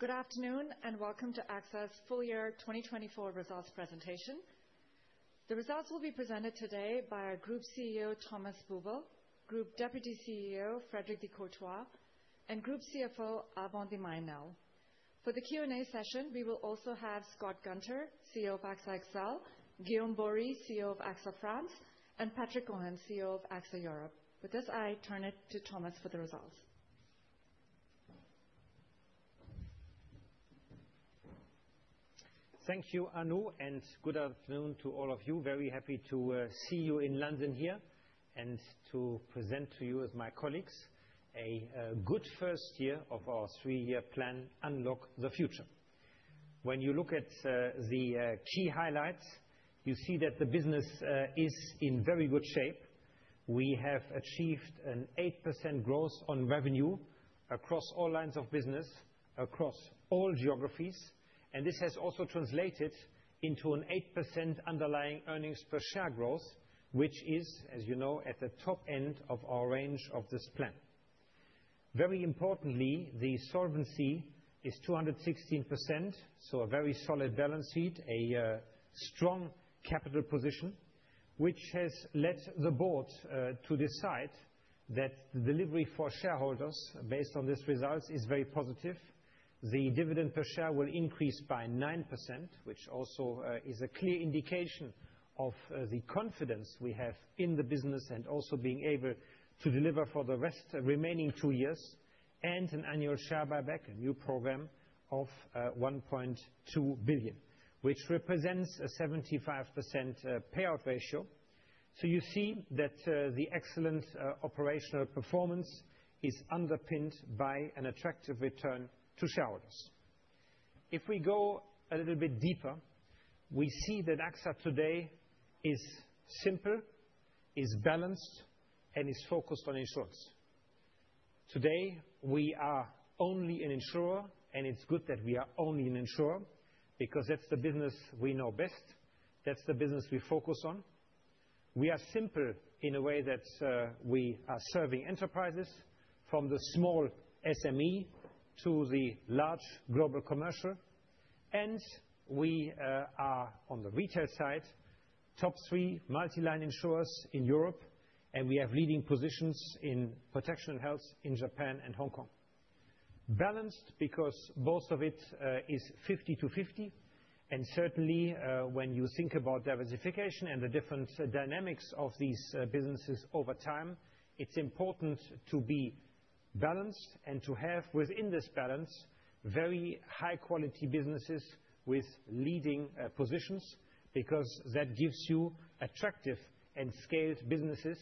Good afternoon and welcome to AXA's full year 2024 results presentation. The results will be presented today by our Group CEO, Thomas Buberl, Group Deputy CEO, Frédéric de Courtois, and Group CFO, Alban de Mailly Nesle. For the Q&A session, we will also have Scott Gunter, CEO of AXA XL, Guillaume Borie, CEO of AXA France, and Patrick Cohen, CEO of AXA Europe. With this, I turn it to Thomas for the results. Thank you, Anu, and good afternoon to all of you. Very happy to see you in London here and to present to you, as my colleagues, a good first year of our three-year plan, Unlock the Future. When you look at the key highlights, you see that the business is in very good shape. We have achieved an 8% growth on revenue across all lines of business, across all geographies, and this has also translated into an 8% underlying earnings per share growth, which is, as you know, at the top end of our range of this plan. Very importantly, the solvency is 216%, so a very solid balance sheet, a strong capital position, which has led the board to decide that the delivery for shareholders, based on these results, is very positive. The dividend per share will increase by 9%, which also is a clear indication of the confidence we have in the business and also being able to deliver for the remaining two years, and an annual share buyback, a new program of 1.2 billion, which represents a 75% payout ratio. So you see that the excellent operational performance is underpinned by an attractive return to shareholders. If we go a little bit deeper, we see that AXA today is simple, is balanced, and is focused on insurance. Today, we are only an insurer, and it's good that we are only an insurer because that's the business we know best, that's the business we focus on. We are simple in a way that we are serving enterprises from the small SME to the large global commercial, and we are on the retail side top three multi-line insurers in Europe, and we have leading positions in protection and health in Japan and Hong Kong. Balanced because both of it is 50 to 50, and certainly when you think about diversification and the different dynamics of these businesses over time, it is important to be balanced and to have within this balance very high-quality businesses with leading positions because that gives you attractive and scaled businesses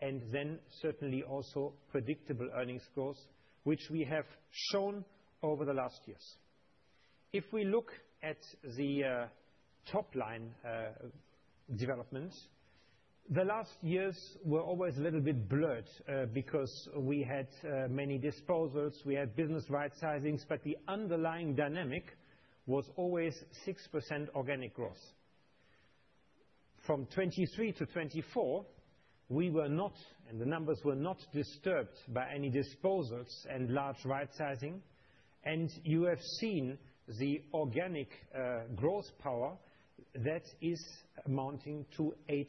and then certainly also predictable earnings growth, which we have shown over the last years. If we look at the top line development, the last years were always a little bit blurred because we had many disposals, we had business rightsizing, but the underlying dynamic was always 6% organic growth. From 2023 to 2024, we were not, and the numbers were not disturbed by any disposals and large right-sizing, and you have seen the organic growth power that is amounting to 8%.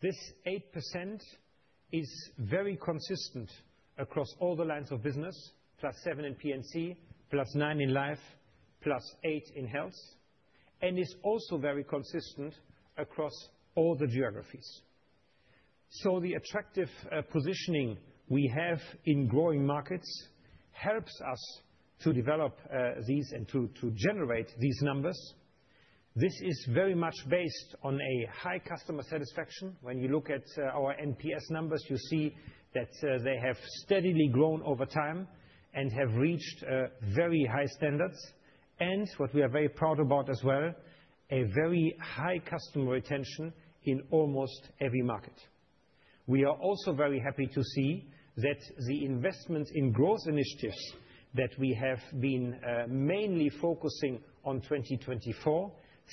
This 8% is very consistent across all the lines of business, +7% in P&C, +9% in life, +8% in health, and is also very consistent across all the geographies, so the attractive positioning we have in growing markets helps us to develop these and to generate these numbers. This is very much based on a high customer satisfaction. When you look at our NPS numbers, you see that they have steadily grown over time and have reached very high standards, and what we are very proud about as well, a very high customer retention in almost every market. We are also very happy to see that the investments in growth initiatives that we have been mainly focusing on 2024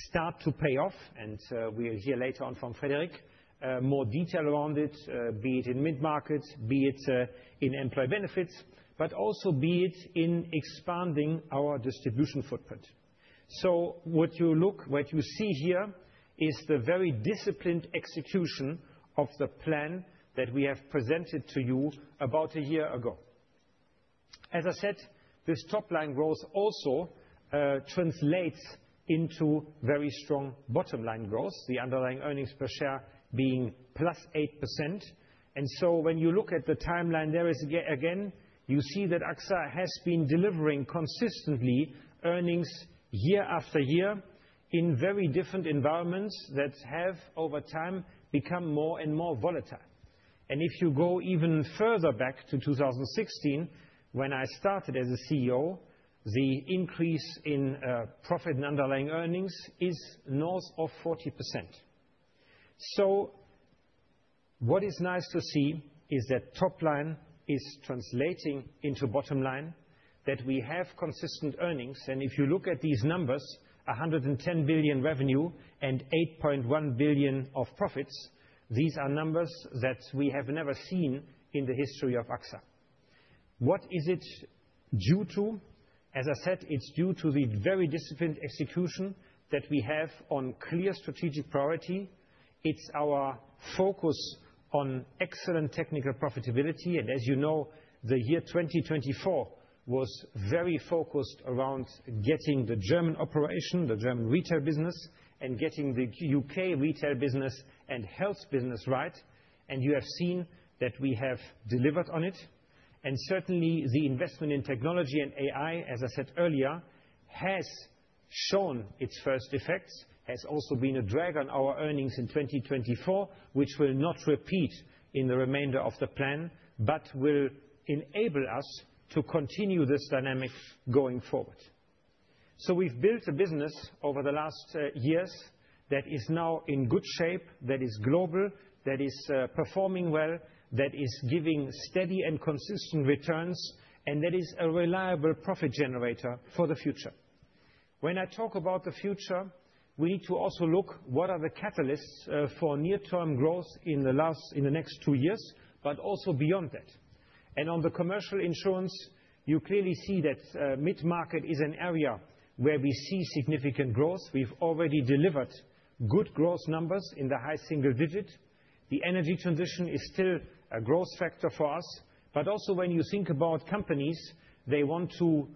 start to pay off, and we'll hear later on from Frédéric more detail around it, be it in mid-market, be it in employee benefits, but also be it in expanding our distribution footprint, so what you look, what you see here is the very disciplined execution of the plan that we have presented to you about a year ago. As I said, this top line growth also translates into very strong bottom line growth, the underlying earnings per share being plus 8%, and so when you look at the timeline there is again, you see that AXA has been delivering consistently earnings year after year in very different environments that have over time become more and more volatile. And if you go even further back to 2016, when I started as a CEO, the increase in profit and underlying earnings is north of 40%. So what is nice to see is that top line is translating into bottom line, that we have consistent earnings, and if you look at these numbers, €110 billion revenue and €8.1 billion of profits, these are numbers that we have never seen in the history of AXA. What is it due to? As I said, it's due to the very disciplined execution that we have on clear strategic priority. It's our focus on excellent technical profitability, and as you know, the year 2024 was very focused around getting the German operation, the German retail business, and getting the UK retail business and health business right, and you have seen that we have delivered on it. And certainly the investment in technology and AI, as I said earlier, has shown its first effects, has also been a drag on our earnings in 2024, which will not repeat in the remainder of the plan, but will enable us to continue this dynamic going forward. So we've built a business over the last years that is now in good shape, that is global, that is performing well, that is giving steady and consistent returns, and that is a reliable profit generator for the future. When I talk about the future, we need to also look at what are the catalysts for near-term growth in the next two years, but also beyond that. And on the commercial insurance, you clearly see that mid-market is an area where we see significant growth. We've already delivered good growth numbers in the high single digit. The energy transition is still a growth factor for us, but also when you think about companies, they want to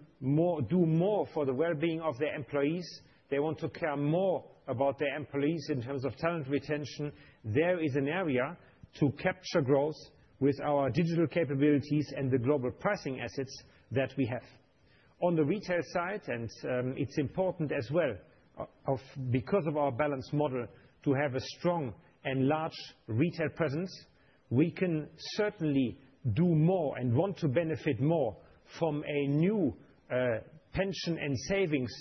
do more for the well-being of their employees. They want to care more about their employees in terms of talent retention. There is an area to capture growth with our digital capabilities and the global pricing assets that we have. On the retail side, and it's important as well, because of our balance model, to have a strong and large retail presence. We can certainly do more and want to benefit more from a new pension and savings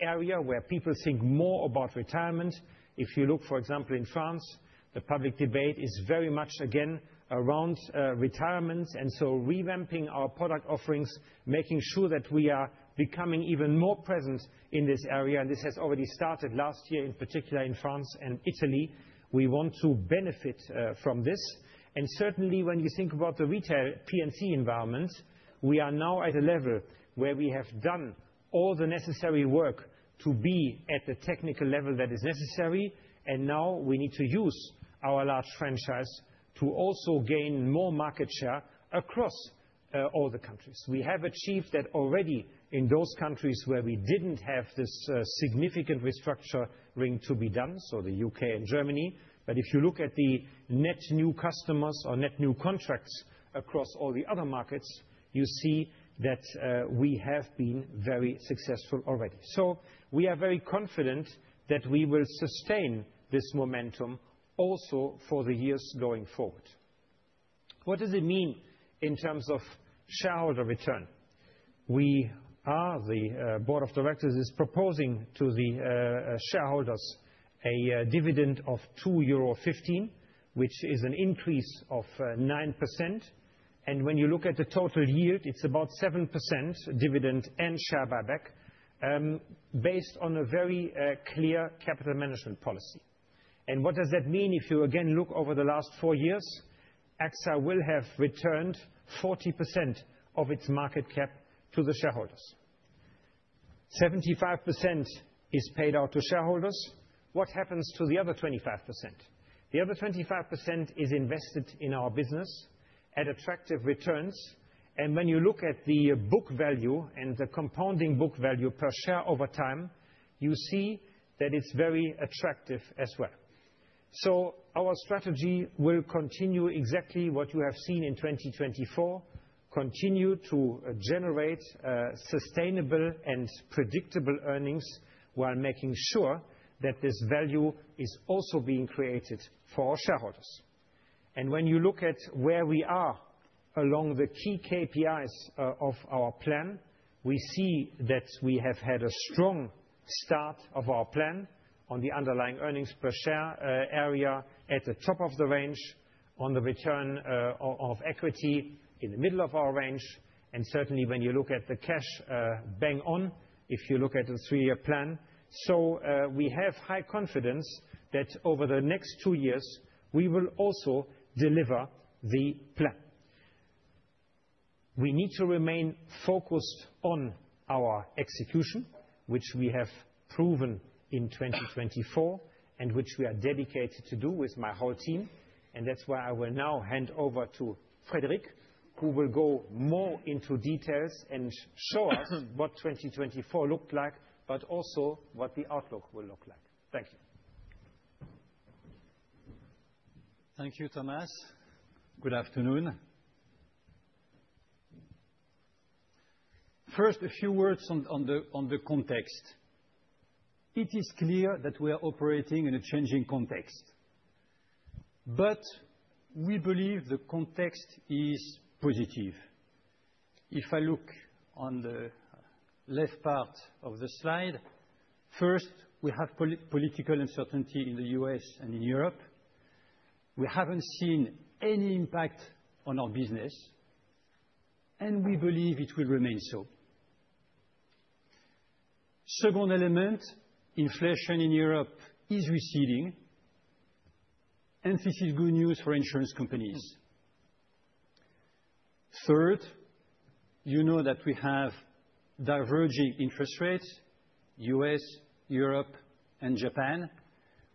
area where people think more about retirement. If you look, for example, in France, the public debate is very much, again, around retirements, and so revamping our product offerings, making sure that we are becoming even more present in this area, and this has already started last year, in particular in France and Italy. We want to benefit from this, and certainly when you think about the retail P&C environment, we are now at a level where we have done all the necessary work to be at the technical level that is necessary, and now we need to use our large franchise to also gain more market share across all the countries. We have achieved that already in those countries where we didn't have this significant restructuring to be done, so the UK and Germany, but if you look at the net new customers or net new contracts across all the other markets, you see that we have been very successful already. So we are very confident that we will sustain this momentum also for the years going forward. What does it mean in terms of shareholder return? The Board of Directors is proposing to the shareholders a dividend of 2.15 euro, which is an increase of 9%, and when you look at the total yield, it's about 7% dividend and share buyback based on a very clear capital management policy. And what does that mean? If you again look over the last four years, AXA will have returned 40% of its market cap to the shareholders. 75% is paid out to shareholders. What happens to the other 25%? The other 25% is invested in our business at attractive returns, and when you look at the book value and the compounding book value per share over time, you see that it's very attractive as well. So our strategy will continue exactly what you have seen in 2024, continue to generate sustainable and predictable earnings while making sure that this value is also being created for our shareholders. When you look at where we are along the key KPIs of our plan, we see that we have had a strong start of our plan on the underlying earnings per share area at the top of the range, on the return on equity in the middle of our range, and certainly when you look at the cash bang-on, if you look at the three-year plan, so we have high confidence that over the next two years we will also deliver the plan. We need to remain focused on our execution, which we have proven in 2024 and which we are dedicated to do with my whole team, and that's why I will now hand over to Frédéric, who will go more into details and show us what 2024 looked like, but also what the outlook will look like. Thank you. Thank you, Thomas. Good afternoon. First, a few words on the context. It is clear that we are operating in a changing context, but we believe the context is positive. If I look on the left part of the slide, first, we have political uncertainty in the U.S. and in Europe. We haven't seen any impact on our business, and we believe it will remain so. Second element, inflation in Europe is receding, and this is good news for insurance companies. Third, you know that we have diverging interest rates, U.S., Europe, and Japan.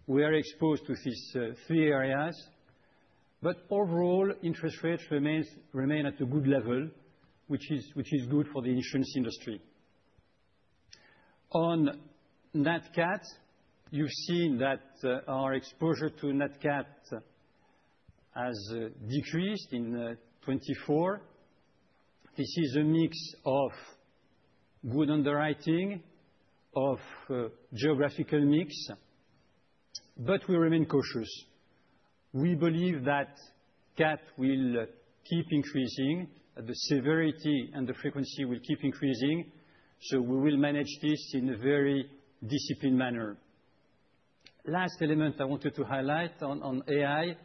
We are exposed to these three areas, but overall interest rates remain at a good level, which is good for the insurance industry. On Nat Cat, you've seen that our exposure to Nat Cat has decreased in 2024. This is a mix of good underwriting, of geographical mix, but we remain cautious. We believe that cat will keep increasing, the severity and the frequency will keep increasing, so we will manage this in a very disciplined manner. Last element I wanted to highlight on AI,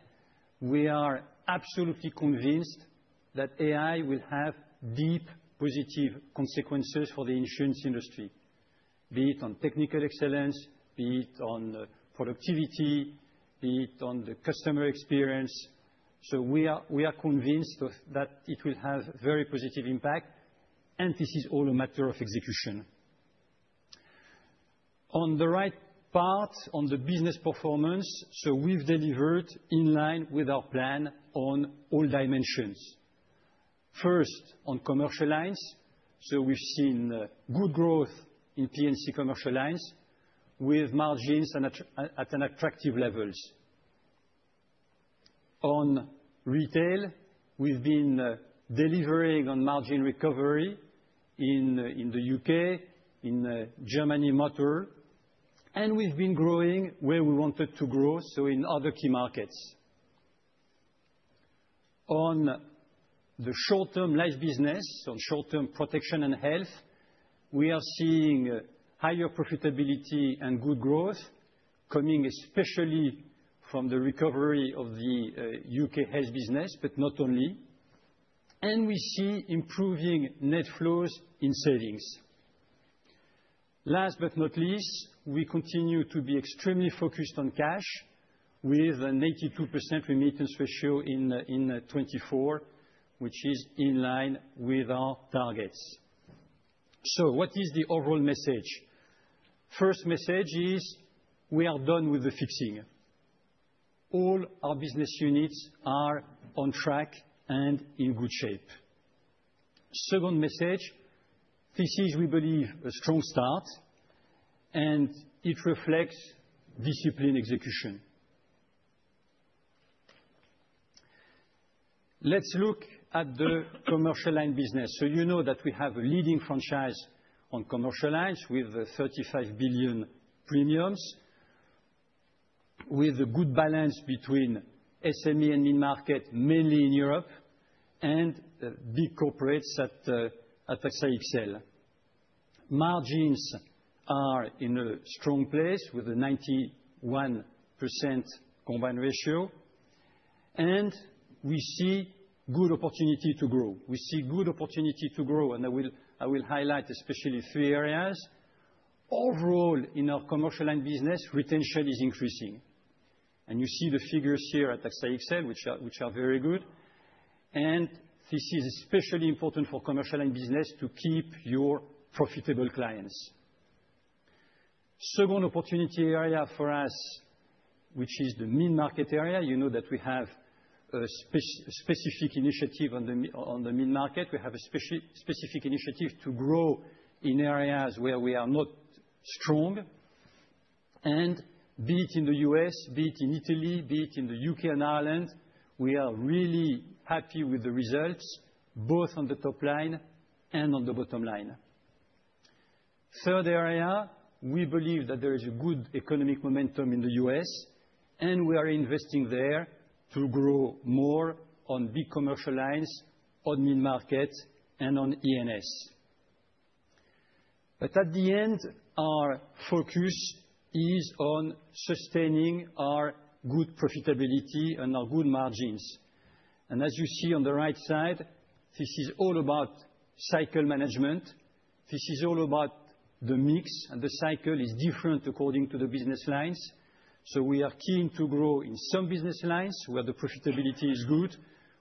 we are absolutely convinced that AI will have deep positive consequences for the insurance industry, be it on technical excellence, be it on productivity, be it on the customer experience. So we are convinced that it will have a very positive impact, and this is all a matter of execution. On the right part, on the business performance, so we've delivered in line with our plan on all dimensions. First, on commercial lines, so we've seen good growth in P&C commercial lines with margins at attractive levels. On retail, we've been delivering on margin recovery in the U.K., in Germany Motor, and we've been growing where we wanted to grow, so in other key markets. On the short-term life business, on short-term protection and health, we are seeing higher profitability and good growth coming especially from the recovery of the U.K. health business, but not only, and we see improving net flows in savings. Last but not least, we continue to be extremely focused on cash with an 82% remittance ratio in 2024, which is in line with our targets. So what is the overall message? First message is we are done with the fixing. All our business units are on track and in good shape. Second message, this is, we believe, a strong start, and it reflects disciplined execution. Let's look at the commercial line business. So you know that we have a leading franchise on commercial lines with €35 billion premiums, with a good balance between SME and mid-market, mainly in Europe, and big corporates at AXA XL. Margins are in a strong place with a 91% combined ratio, and we see good opportunity to grow. We see good opportunity to grow, and I will highlight especially three areas. Overall, in our commercial line business, retention is increasing, and you see the figures here at AXA XL, which are very good, and this is especially important for commercial line business to keep your profitable clients. Second opportunity area for us, which is the mid-market area. You know that we have a specific initiative on the mid-market. We have a specific initiative to grow in areas where we are not strong, and be it in the U.S., be it in Italy, be it in the U.K. and Ireland, we are really happy with the results, both on the top line and on the bottom line. Third area, we believe that there is a good economic momentum in the U.S., and we are investing there to grow more on big commercial lines, on mid-market, and on E&S. But at the end, our focus is on sustaining our good profitability and our good margins. And as you see on the right side, this is all about cycle management. This is all about the mix, and the cycle is different according to the business lines. So we are keen to grow in some business lines where the profitability is good.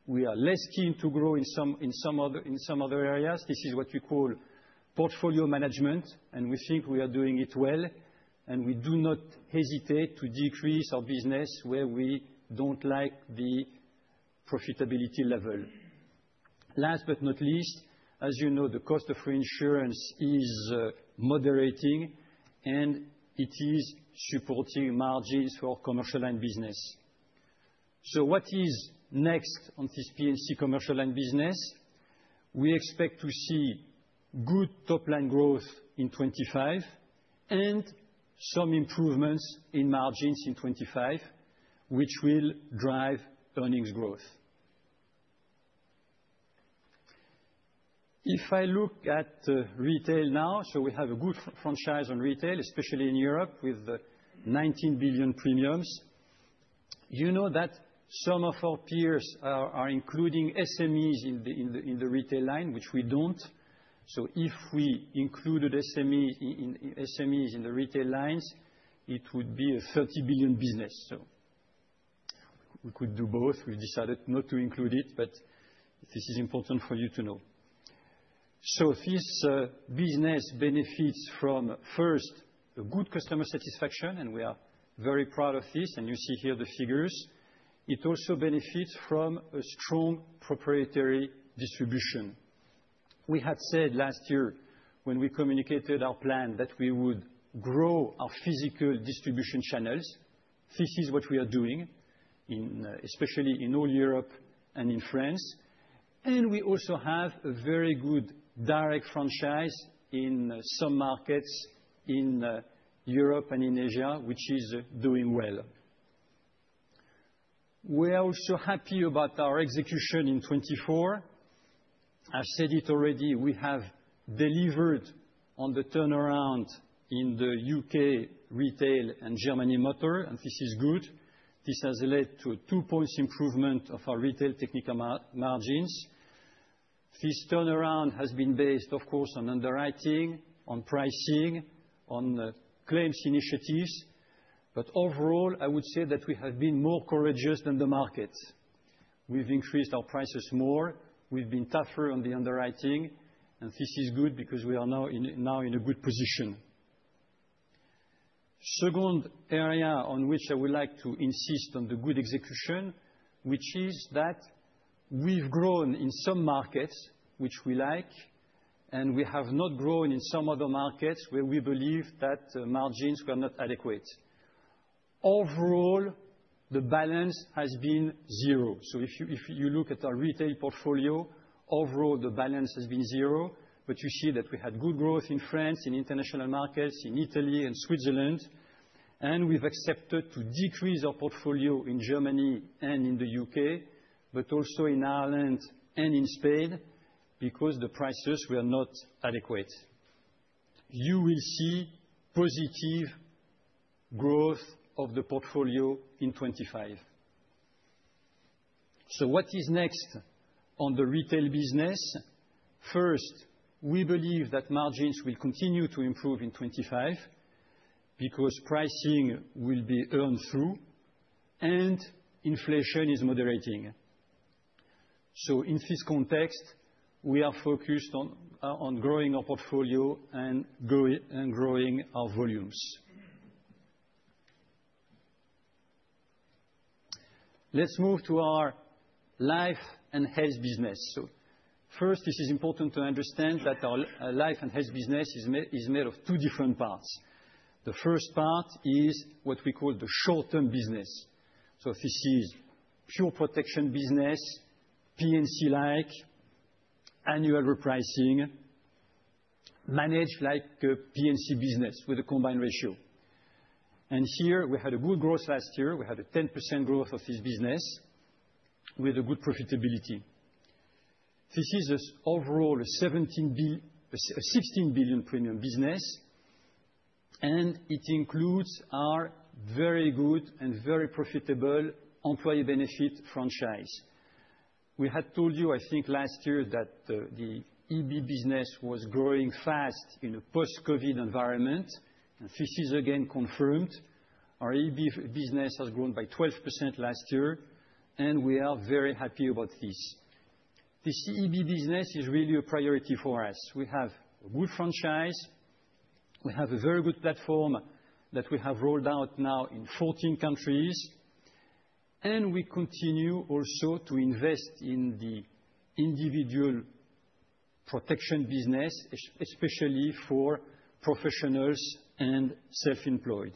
We are less keen to grow in some other areas. This is what we call portfolio management, and we think we are doing it well, and we do not hesitate to decrease our business where we don't like the profitability level. Last but not least, as you know, the cost of reinsurance is moderating, and it is supporting margins for commercial line business. So what is next on this P&C commercial line business? We expect to see good top-line growth in 2025 and some improvements in margins in 2025, which will drive earnings growth. If I look at retail now, so we have a good franchise on retail, especially in Europe with €19 billion premiums. You know that some of our peers are including SMEs in the retail line, which we don't. So if we included SMEs in the retail lines, it would be a €30 billion business. So we could do both. We decided not to include it, but this is important for you to know. So this business benefits from, first, a good customer satisfaction, and we are very proud of this, and you see here the figures. It also benefits from a strong proprietary distribution. We had said last year when we communicated our plan that we would grow our physical distribution channels. This is what we are doing, especially in all Europe and in France, and we also have a very good direct franchise in some markets in Europe and in Asia, which is doing well. We are also happy about our execution in 2024. I've said it already. We have delivered on the turnaround in the U.K. retail and Germany Motor, and this is good. This has led to a two-point improvement of our retail technical margins. This turnaround has been based, of course, on underwriting, on pricing, on claims initiatives, but overall, I would say that we have been more courageous than the market. We've increased our prices more. We've been tougher on the underwriting, and this is good because we are now in a good position. Second area on which I would like to insist on the good execution, which is that we've grown in some markets, which we like, and we have not grown in some other markets where we believe that margins were not adequate. Overall, the balance has been zero. So if you look at our retail portfolio, overall, the balance has been zero, but you see that we had good growth in France, in international markets, in Italy, and Switzerland, and we've accepted to decrease our portfolio in Germany and in the U.K., but also in Ireland and in Spain because the prices were not adequate. You will see positive growth of the portfolio in 2025. So what is next on the retail business? First, we believe that margins will continue to improve in 2025 because pricing will be earned through, and inflation is moderating. So in this context, we are focused on growing our portfolio and growing our volumes. Let's move to our life and health business. So first, it is important to understand that our life and health business is made of two different parts. The first part is what we call the short-term business. So this is pure protection business, P&C-like, annual repricing, managed like a P&C business with a combined ratio. And here, we had a good growth last year. We had a 10% growth of this business with a good profitability. This is overall a €16 billion premium business, and it includes our very good and very profitable employee benefit franchise. We had told you, I think, last year that the EB business was growing fast in a post-COVID environment, and this is again confirmed. Our EB business has grown by 12% last year, and we are very happy about this. This EB business is really a priority for us. We have a good franchise. We have a very good platform that we have rolled out now in 14 countries, and we continue also to invest in the individual protection business, especially for professionals and self-employed.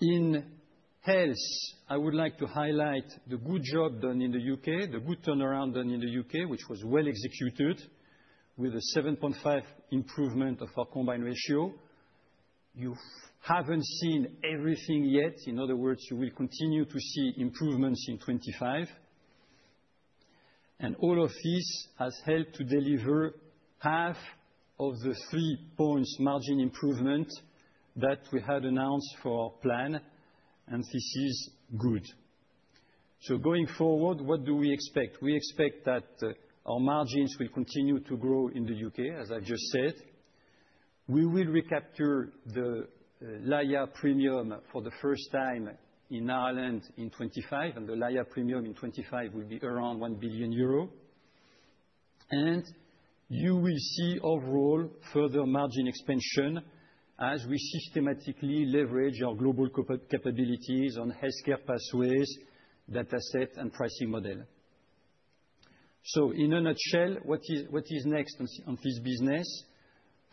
In health, I would like to highlight the good job done in the U.K., the good turnaround done in the U.K., which was well executed with a 7.5 improvement of our combined ratio. You haven't seen everything yet. In other words, you will continue to see improvements in 2025, and all of this has helped to deliver half of the three-point margin improvement that we had announced for our plan, and this is good. So going forward, what do we expect? We expect that our margins will continue to grow in the U.K., as I've just said. We will recapture the Laya premium for the first time in Ireland in 2025, and the Laya premium in 2025 will be around 1 billion euro. And you will see overall further margin expansion as we systematically leverage our global capabilities on healthcare pathways, dataset, and pricing model. So in a nutshell, what is next on this business?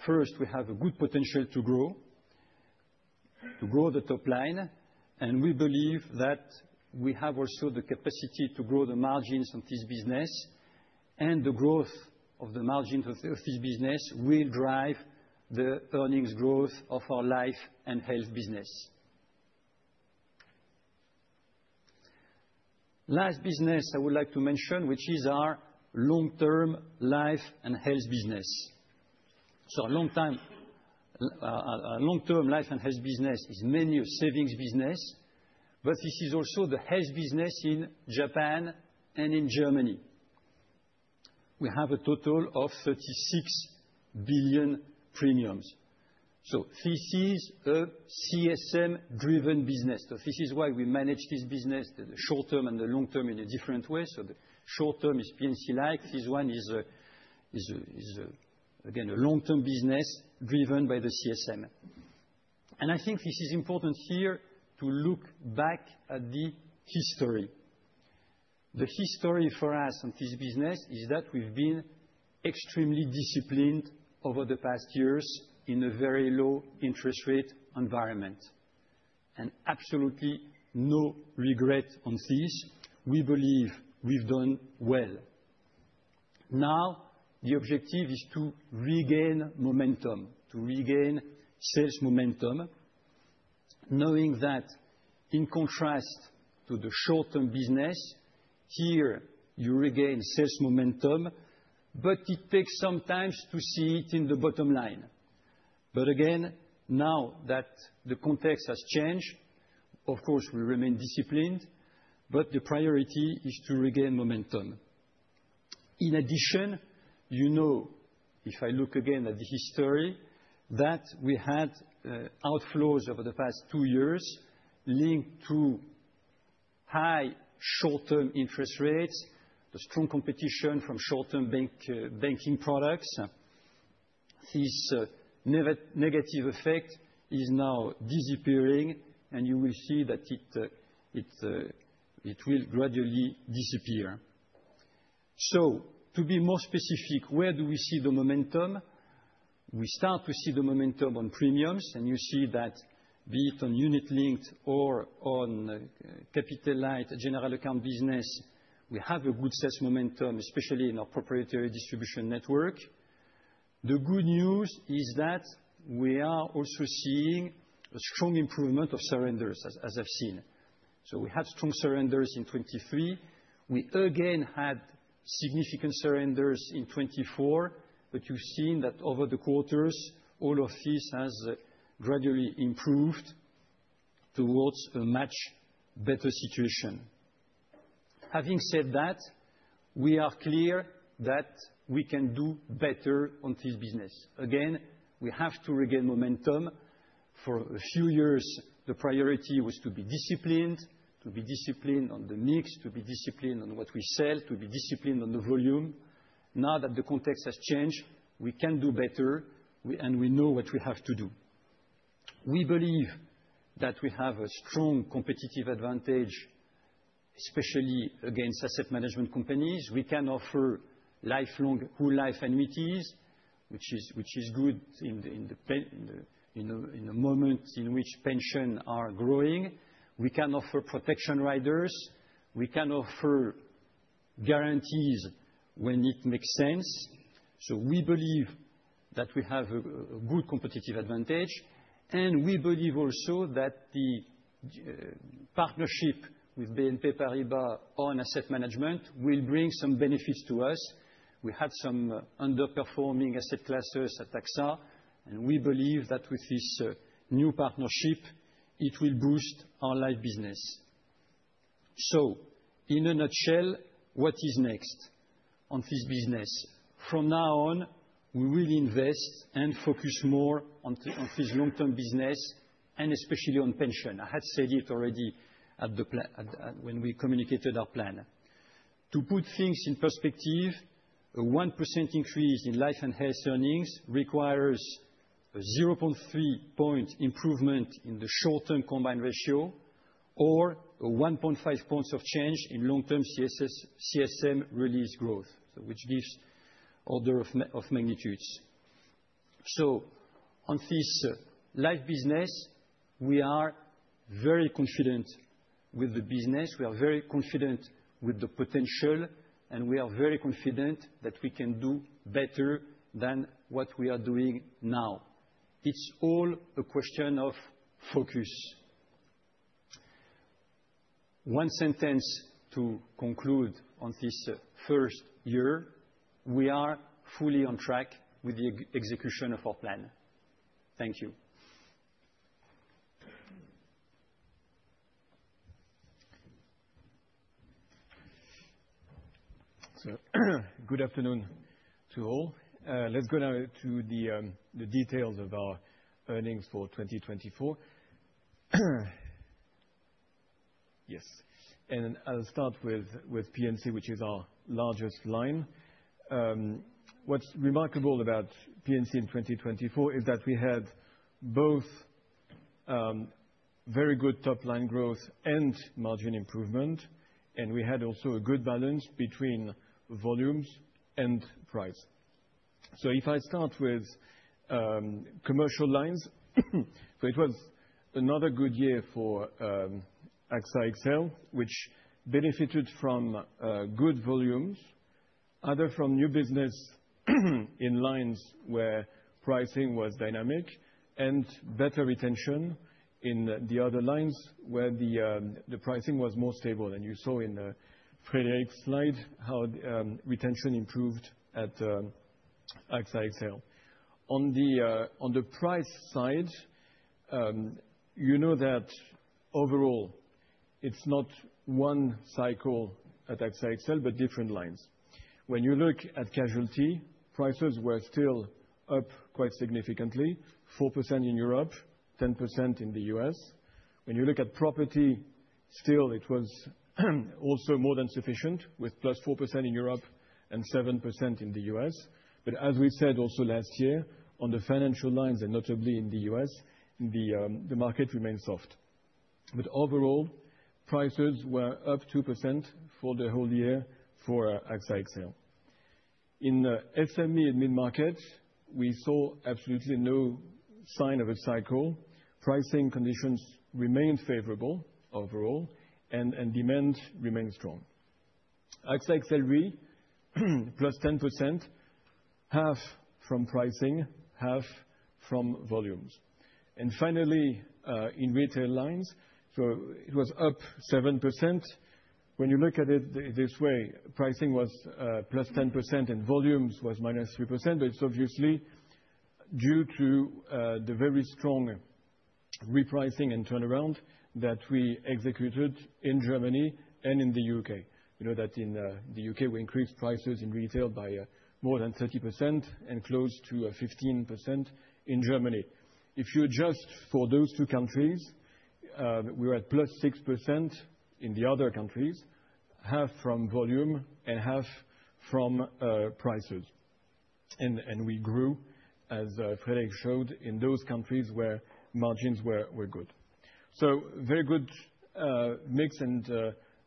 First, we have a good potential to grow the top line, and we believe that we have also the capacity to grow the margins of this business, and the growth of the margins of this business will drive the earnings growth of our life and health business. Last business I would like to mention, which is our long-term life and health business. So our long-term life and health business is mainly a savings business, but this is also the health business in Japan and in Germany. We have a total of 36 billion premiums. So this is a CSM-driven business. So this is why we manage this business, the short-term and the long-term in a different way. So the short-term is P&C-like. This one is, again, a long-term business driven by the CSM. And I think this is important here to look back at the history. The history for us on this business is that we've been extremely disciplined over the past years in a very low interest rate environment and absolutely no regret on this. We believe we've done well. Now, the objective is to regain momentum, to regain sales momentum, knowing that in contrast to the short-term business, here you regain sales momentum, but it takes some time to see it in the bottom line, but again, now that the context has changed, of course, we remain disciplined, but the priority is to regain momentum. In addition, you know, if I look again at the history that we had outflows over the past two years linked to high short-term interest rates, the strong competition from short-term banking products. This negative effect is now disappearing, and you will see that it will gradually disappear, so to be more specific, where do we see the momentum? We start to see the momentum on premiums, and you see that be it on unit-linked or on capital-light general account business, we have a good sales momentum, especially in our proprietary distribution network. The good news is that we are also seeing a strong improvement of surrenders, as I've seen. So we had strong surrenders in 2023. We again had significant surrenders in 2024, but you've seen that over the quarters, all of this has gradually improved towards a much better situation. Having said that, we are clear that we can do better on this business. Again, we have to regain momentum. For a few years, the priority was to be disciplined, to be disciplined on the mix, to be disciplined on what we sell, to be disciplined on the volume. Now that the context has changed, we can do better, and we know what we have to do. We believe that we have a strong competitive advantage, especially against asset management companies. We can offer lifelong whole life annuities, which is good in the moment in which pensions are growing. We can offer protection riders. We can offer guarantees when it makes sense. So we believe that we have a good competitive advantage, and we believe also that the partnership with BNP Paribas on asset management will bring some benefits to us. We had some underperforming asset classes at AXA, and we believe that with this new partnership, it will boost our life business. So in a nutshell, what is next on this business? From now on, we will invest and focus more on this long-term business and especially on pension. I had said it already when we communicated our plan. To put things in perspective, a 1% increase in life and health earnings requires a 0.3-point improvement in the short-term combined ratio or a 1.5-point change in long-term CSM release growth, which gives order of magnitudes. So on this life business, we are very confident with the business. We are very confident with the potential, and we are very confident that we can do better than what we are doing now. It's all a question of focus. One sentence to conclude on this first year, we are fully on track with the execution of our plan. Thank you. Good afternoon to all. Let's go now to the details of our earnings for 2024. Yes, and I'll start with P&C, which is our largest line. What's remarkable about P&C in 2024 is that we had both very good top-line growth and margin improvement, and we had also a good balance between volumes and price. If I start with commercial lines, it was another good year for AXA XL, which benefited from good volumes, other than from new business in lines where pricing was dynamic and better retention in the other lines where the pricing was more stable. You saw in Frédéric's slide how retention improved at AXA XL. On the price side, you know that overall, it's not one cycle at AXA XL, but different lines. When you look at casualty, prices were still up quite significantly, 4% in Europe, 10% in the U.S. When you look at property, still, it was also more than sufficient with 4% in Europe and 7% in the U.S. But as we said also last year, on the financial lines and notably in the U.S., the market remained soft. But overall, prices were up 2% for the whole year for AXA XL. In SME and mid-market, we saw absolutely no sign of a cycle. Pricing conditions remained favorable overall, and demand remained strong. AXA XL Re, plus 10%, half from pricing, half from volumes. And finally, in retail lines, so it was up 7%. When you look at it this way, pricing was plus 10% and volumes was minus 3%, but it's obviously due to the very strong repricing and turnaround that we executed in Germany and in the U.K. You know that in the U.K., we increased prices in retail by more than 30% and close to 15% in Germany. If you adjust for those two countries, we were at +6% in the other countries, half from volume and half from prices. We grew, as Frédéric showed, in those countries where margins were good. Very good mix and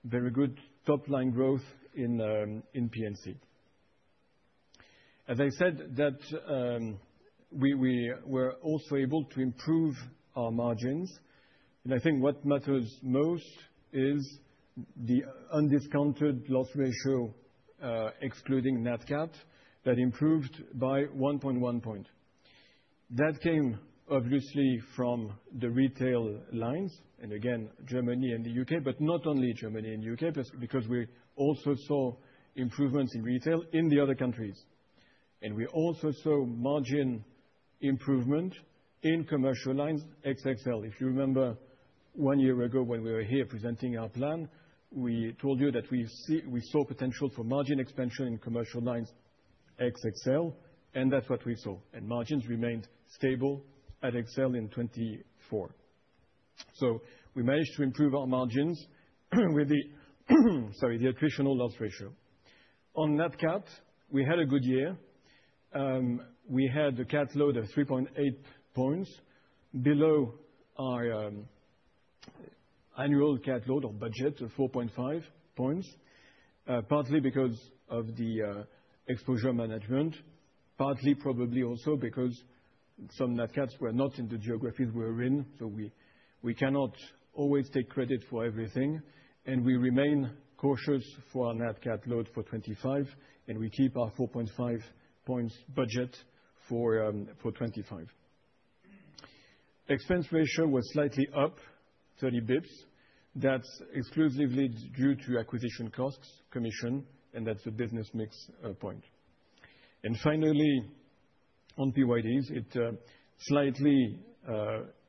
very good top-line growth in P&C. As I said, we were also able to improve our margins. I think what matters most is the undiscounted loss ratio, excluding Nat Cat, that improved by 1.1 point. That came obviously from the retail lines, and again, Germany and the U.K., but not only Germany and the U.K., because we also saw improvements in retail in the other countries. We also saw margin improvement in commercial lines, AXA XL. If you remember one year ago when we were here presenting our plan, we told you that we saw potential for margin expansion in commercial lines, AXA XL, and that's what we saw. Margins remained stable at XL in 2024. We managed to improve our margins with the, sorry, the attritional loss ratio. On NATCAT, we had a good year. We had a cat load of 3.8 points below our annual cat load or budget of 4.5 points, partly because of the exposure management, partly probably also because some NATCATs were not in the geographies we were in. We cannot always take credit for everything. We remain cautious for our NATCAT load for 2025, and we keep our 4.5 points budget for 2025. Expense ratio was slightly up 30 basis points. That's exclusively due to acquisition costs, commission, and that's a business mix point. Finally, on PYDs, it slightly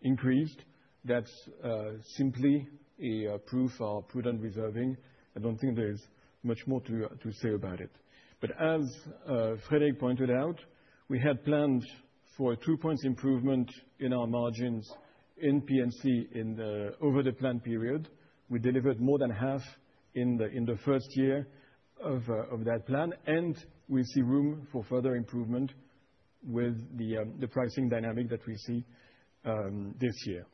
increased. That's simply a proof of prudent reserving. I don't think there's much more to say about it. But as Frédéric pointed out, we had planned for a 2 points improvement in our margins in P&C over the planned period. We delivered more than half in the first year of that plan, and we see room for further improvement with the pricing dynamic that we see this year.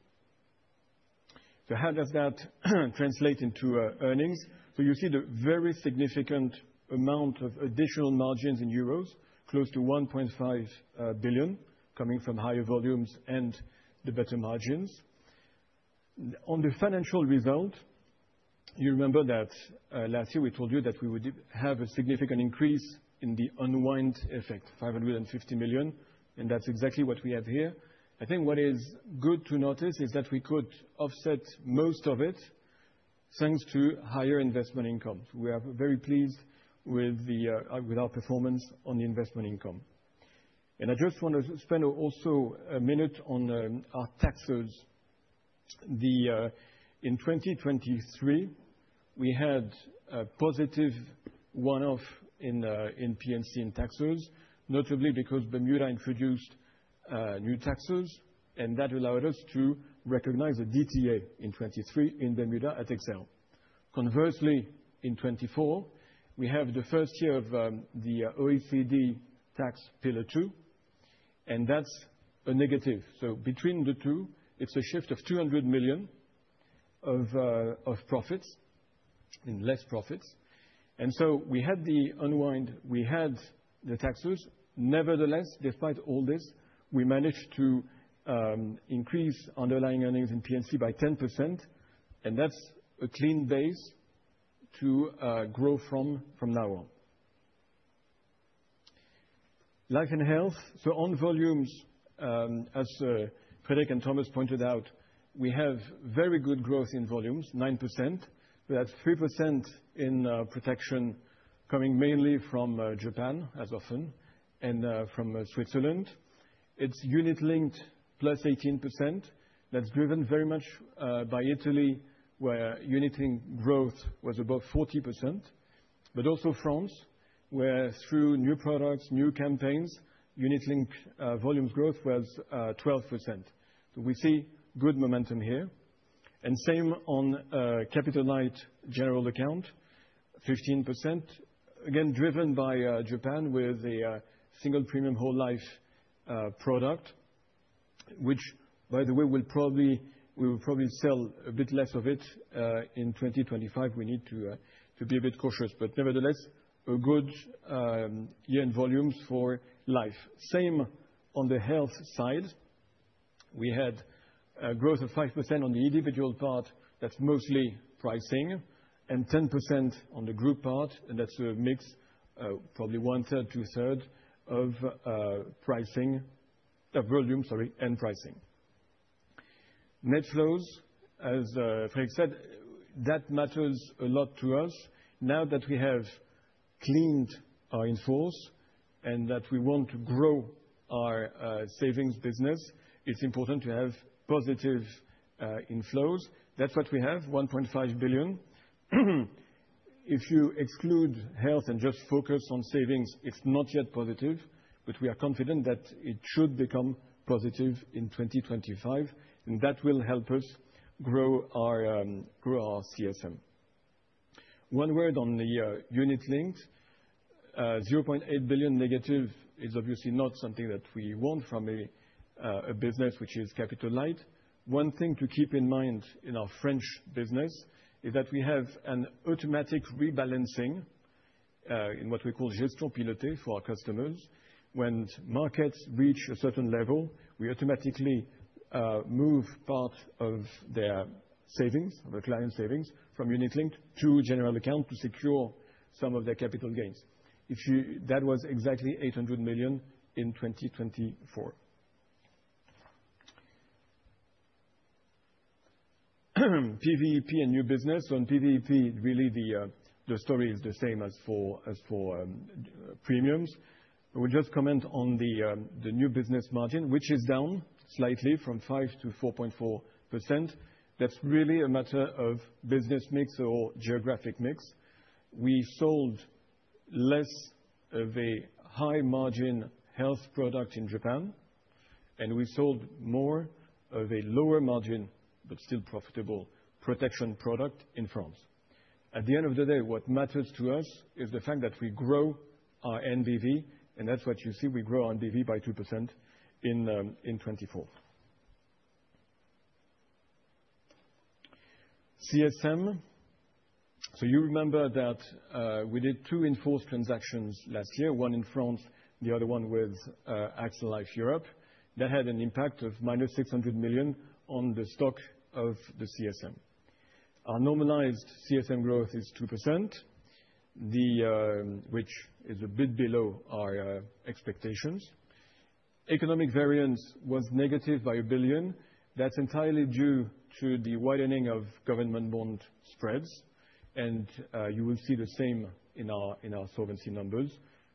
How does that translate into earnings? You see the very significant amount of additional margins in euros, close to 1.5 billion, coming from higher volumes and the better margins. On the financial result, you remember that last year we told you that we would have a significant increase in the unwind effect, 550 million, and that's exactly what we have here. I think what is good to notice is that we could offset most of it thanks to higher investment income. We are very pleased with our performance on the investment income. I just want to spend also a minute on our taxes. In 2023, we had a positive one-off in P&C and taxes, notably because Bermuda introduced new taxes, and that allowed us to recognize a DTA in 2023 in Bermuda at XL. Conversely, in 2024, we have the first year of the OECD tax Pillar Two, and that's a negative. Between the two, it's a shift of 200 million of profits in less profits. We had the unwind, we had the taxes. Nevertheless, despite all this, we managed to increase underlying earnings in P&C by 10%, and that's a clean base to grow from now on. Life and health. On volumes, as Frédéric and Thomas pointed out, we have very good growth in volumes, 9%, but that's 3% in protection coming mainly from Japan, as often, and from Switzerland. It's unit-linked plus 18%. That's driven very much by Italy, where unit-linked growth was above 40%, but also France, where through new products, new campaigns, unit-linked volumes growth was 12%, so we see good momentum here, and same on capital-light general account, 15%, again driven by Japan with a single premium whole life product, which, by the way, we will probably sell a bit less of it in 2025. We need to be a bit cautious, but nevertheless, a good year in volumes for life. Same on the health side. We had a growth of 5% on the individual part. That's mostly pricing, and 10% on the group part, and that's a mix, probably one-third, two-third of pricing, volume, sorry, and pricing. Net flows, as Frédéric said, that matters a lot to us. Now that we have cleaned our inflows and that we want to grow our savings business, it's important to have positive inflows. That's what we have, 1.5 billion. If you exclude health and just focus on savings, it's not yet positive, but we are confident that it should become positive in 2025, and that will help us grow our CSM. One word on the unit-linked, 0.8 billion negative is obviously not something that we want from a business which is capital-light. One thing to keep in mind in our French business is that we have an automatic rebalancing in what we call Gestion Pilotée for our customers. When markets reach a certain level, we automatically move part of their savings, of the client's savings, from unit-linked to general account to secure some of their capital gains. That was exactly 800 million in 2024. PVEP and new business. In PVEP, really the story is the same as for premiums. I would just comment on the new business margin, which is down slightly from 5% to 4.4%. That's really a matter of business mix or geographic mix. We sold less of a high-margin health product in Japan, and we sold more of a lower-margin but still profitable protection product in France. At the end of the day, what matters to us is the fact that we grow our NBV, and that's what you see. We grow our NBV by 2% in 2024. CSM. You remember that we did two in-force transactions last year, one in France, the other one with AXA Life Europe. That had an impact of -€600 million on the stock of the CSM. Our normalized CSM growth is 2%, which is a bit below our expectations. Economic variance was negative by €1 billion. That's entirely due to the widening of government bond spreads, and you will see the same in our solvency numbers.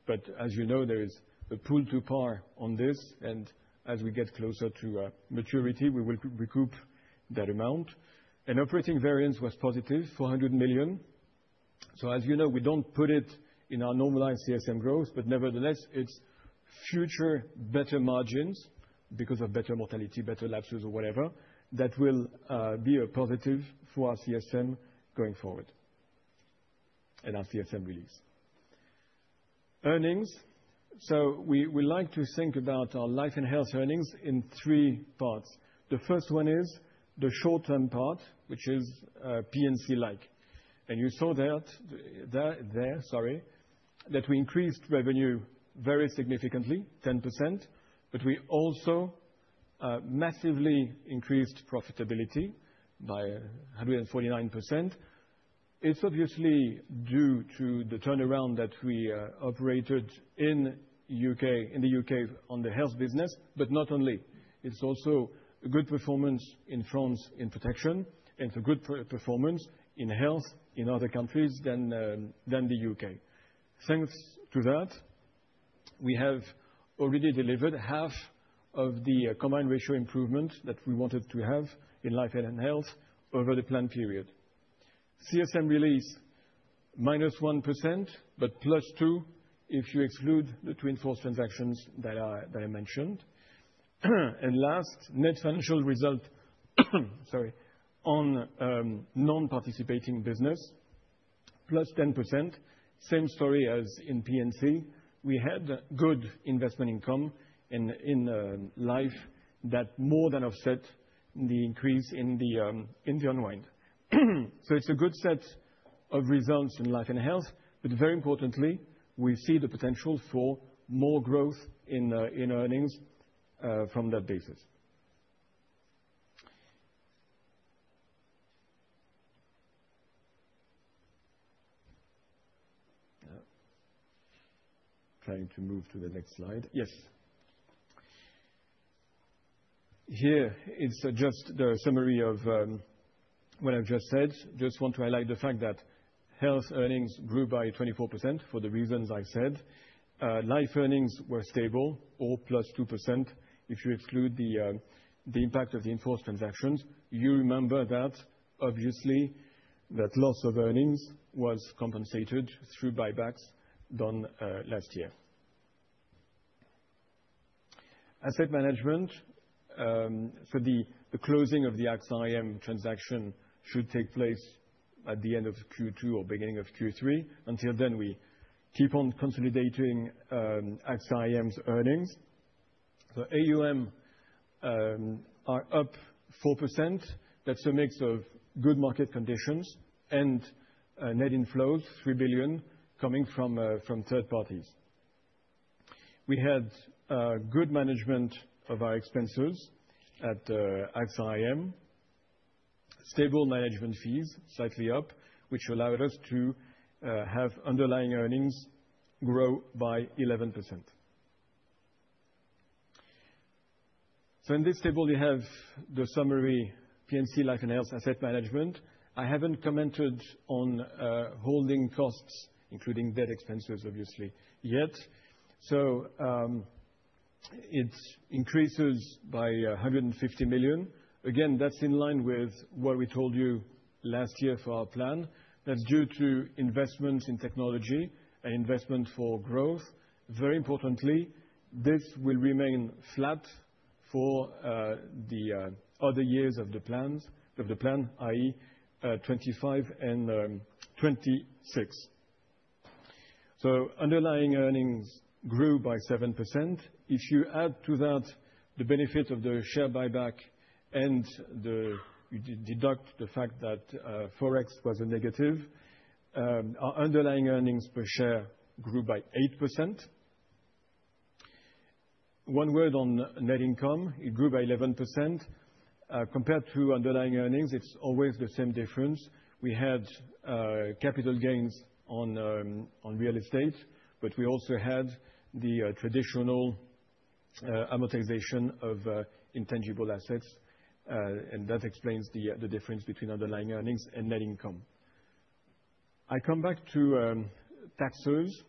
But as you know, there is a pull to par on this, and as we get closer to maturity, we will recoup that amount. And operating variance was positive, 400 million. So as you know, we don't put it in our normalized CSM growth, but nevertheless, it's future better margins because of better mortality, better lapses, or whatever. That will be a positive for our CSM going forward and our CSM release. Earnings. So we like to think about our life and health earnings in three parts. The first one is the short-term part, which is P&C-like. And you saw that there, sorry, that we increased revenue very significantly, 10%, but we also massively increased profitability by 149%. It's obviously due to the turnaround that we operated in the UK on the health business, but not only. It's also a good performance in France in protection and a good performance in health in other countries than the UK. Thanks to that, we have already delivered half of the combined ratio improvement that we wanted to have in life and health over the planned period. CSM release, minus 1%, but plus 2% if you exclude the two enforced transactions that I mentioned. And last, net financial result, sorry, on non-participating business, plus 10%. Same story as in P&C. We had good investment income in life that more than offset the increase in the unwind. So it's a good set of results in life and health, but very importantly, we see the potential for more growth in earnings from that basis. Trying to move to the next slide. Yes. Here, it's just the summary of what I've just said. Just want to highlight the fact that health earnings grew by 24% for the reasons I said. Life earnings were stable, all plus 2%. If you exclude the impact of the enforced transactions, you remember that, obviously, that loss of earnings was compensated through buybacks done last year. Asset management. So the closing of the AXA IM transaction should take place at the end of Q2 or beginning of Q3. Until then, we keep on consolidating AXA IM's earnings. So AUM are up 4%. That's a mix of good market conditions and net inflows, €3 billion, coming from third parties. We had good management of our expenses at AXA IM. Stable management fees slightly up, which allowed us to have underlying earnings grow by 11%. So in this table, you have the summary, P&C, life and health, asset management. I haven't commented on holding costs, including debt expenses, obviously, yet. So it increases by 150 million. Again, that's in line with what we told you last year for our plan. That's due to investments in technology and investment for growth. Very importantly, this will remain flat for the other years of the plan, i.e., 2025 and 2026. So underlying earnings grew by 7%. If you add to that the benefit of the share buyback and deduct the fact that Forex was a negative, our underlying earnings per share grew by 8%. One word on net income. It grew by 11%. Compared to underlying earnings, it's always the same difference. We had capital gains on real estate, but we also had the traditional amortization of intangible assets, and that explains the difference between underlying earnings and net income. I come back to taxes.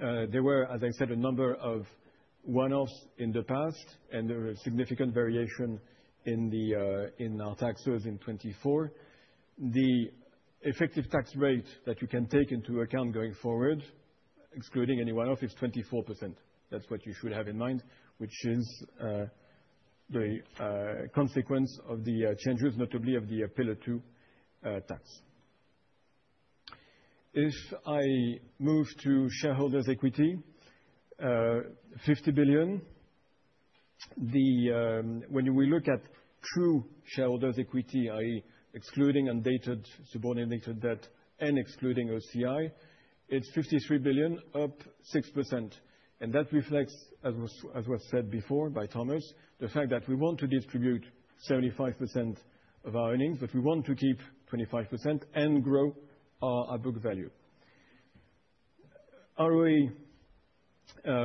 There were, as I said, a number of one-offs in the past and a significant variation in our taxes in 2024. The effective tax rate that you can take into account going forward, excluding any one-off, is 24%. That's what you should have in mind, which is the consequence of the changes, notably of the Pillar Two tax. If I move to shareholders' equity, €50 billion. When we look at true shareholders' equity, i.e., excluding undated subordinated debt and excluding OCI, it's €53 billion, up 6%. And that reflects, as was said before by Thomas, the fact that we want to distribute 75% of our earnings, but we want to keep 25% and grow our book value. ROE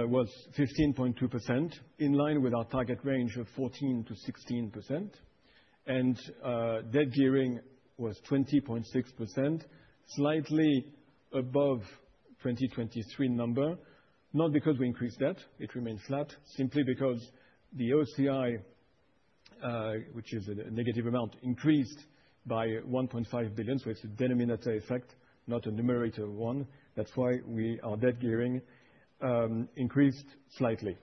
was 15.2%, in line with our target range of 14%-16%. And debt gearing was 20.6%, slightly above 2023 number, not because we increased debt. It remained flat, simply because the OCI, which is a negative amount, increased by 1.5 billion. So it's a denominator effect, not a numerator one. That's why our debt gearing increased slightly.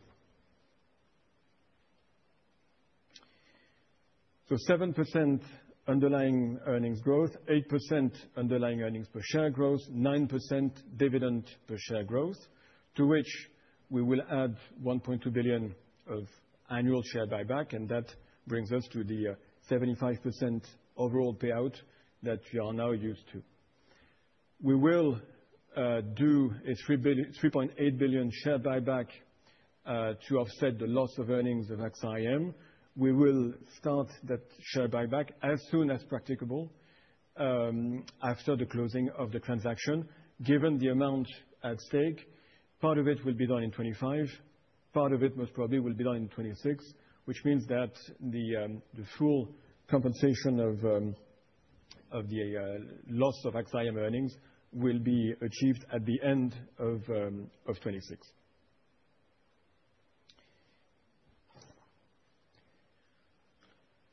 So 7% underlying earnings growth, 8% underlying earnings per share growth, 9% dividend per share growth, to which we will add 1.2 billion of annual share buyback, and that brings us to the 75% overall payout that we are now used to. We will do a 3.8 billion share buyback to offset the loss of earnings of AXA IM. We will start that share buyback as soon as practicable after the closing of the transaction. Given the amount at stake, part of it will be done in 2025. Part of it, most probably, will be done in 2026, which means that the full compensation of the loss of AXA IM earnings will be achieved at the end of 2026.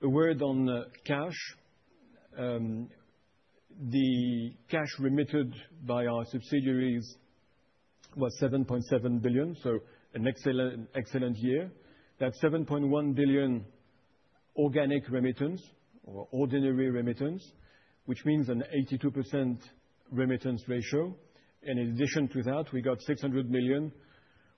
A word on cash. The cash remitted by our subsidiaries was €7.7 billion, so an excellent year. That's €7.1 billion organic remittance or ordinary remittance, which means an 82% remittance ratio. In addition to that, we got €600 million,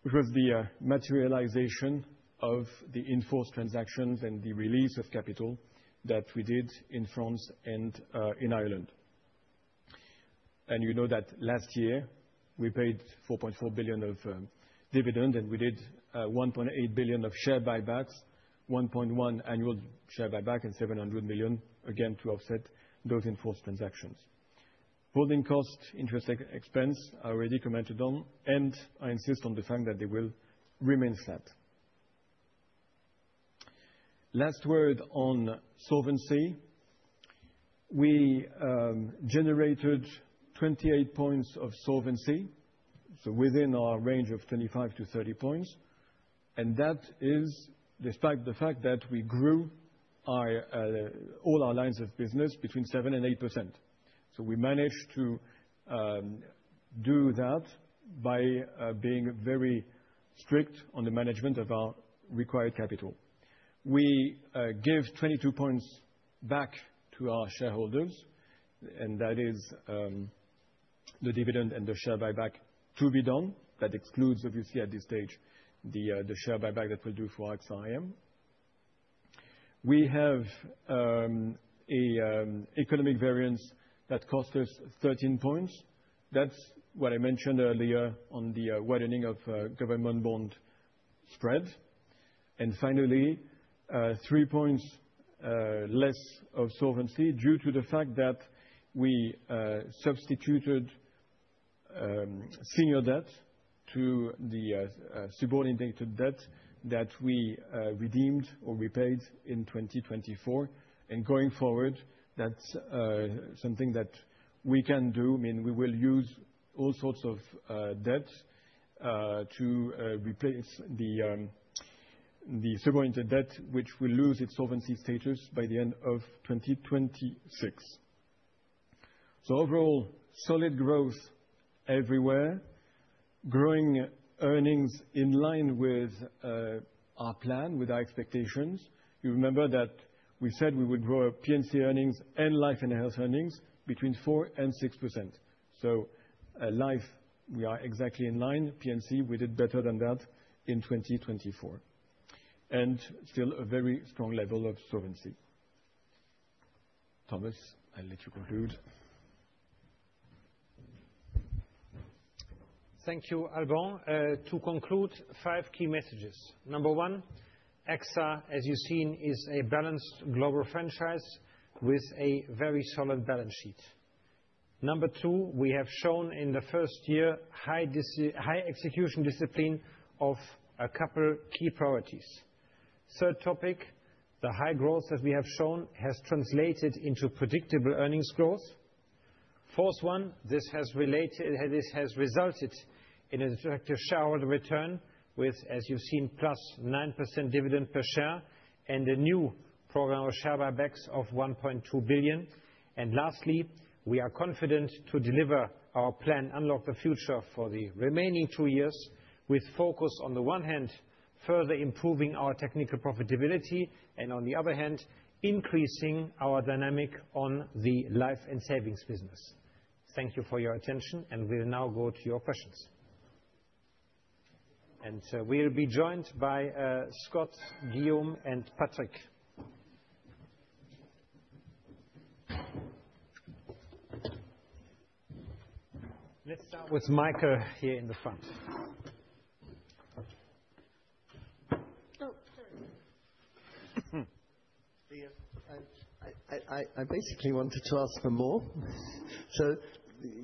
which was the materialization of the enforced transactions and the release of capital that we did in France and in Ireland. You know that last year, we paid €4.4 billion of dividend, and we did €1.8 billion of share buybacks, €1.1 billion annual share buyback, and €700 million, again, to offset those enforced transactions. Holding cost, interest expense, I already commented on, and I insist on the fact that they will remain flat. Last word on solvency. We generated 28 points of solvency, so within our range of 25-30 points. And that is despite the fact that we grew all our lines of business between 7-8%. So we managed to do that by being very strict on the management of our required capital. We give 22 points back to our shareholders, and that is the dividend and the share buyback to be done. That excludes, obviously, at this stage, the share buyback that we'll do for AXA IM. We have an economic variance that cost us 13 points. That's what I mentioned earlier on the widening of government bond spread. And finally, 3 points less of solvency due to the fact that we substituted senior debt to the subordinated debt that we redeemed or we paid in 2024. And going forward, that's something that we can do. I mean, we will use all sorts of debt to replace the subordinated debt, which will lose its solvency status by the end of 2026. So overall, solid growth everywhere, growing earnings in line with our plan, with our expectations. You remember that we said we would grow P&C earnings and life and health earnings between 4%-6%. So life, we are exactly in line. P&C, we did better than that in 2024. And still a very strong level of solvency. Thomas, I'll let you conclude. Thank you, Alban. To conclude, five key messages. Number one, AXA, as you've seen, is a balanced global franchise with a very solid balance sheet. Number two, we have shown in the first year high execution discipline of a couple of key priorities. Third topic, the high growth that we have shown has translated into predictable earnings growth. Fourth one, this has resulted in an attractive shareholder return with, as you've seen, plus 9% dividend per share and a new program of share buybacks of €1.2 billion. And lastly, we are confident to deliver our plan, Unlock the Future, for the remaining two years with focus on, on the one hand, further improving our technical profitability and, on the other hand, increasing our dynamic on the life and savings business. Thank you for your attention, and we'll now go to your questions. And we'll be joined by Scott, Guillaume, and Patrick. Let's start with Michael here in the front. Oh, sorry. I basically wanted to ask for more. So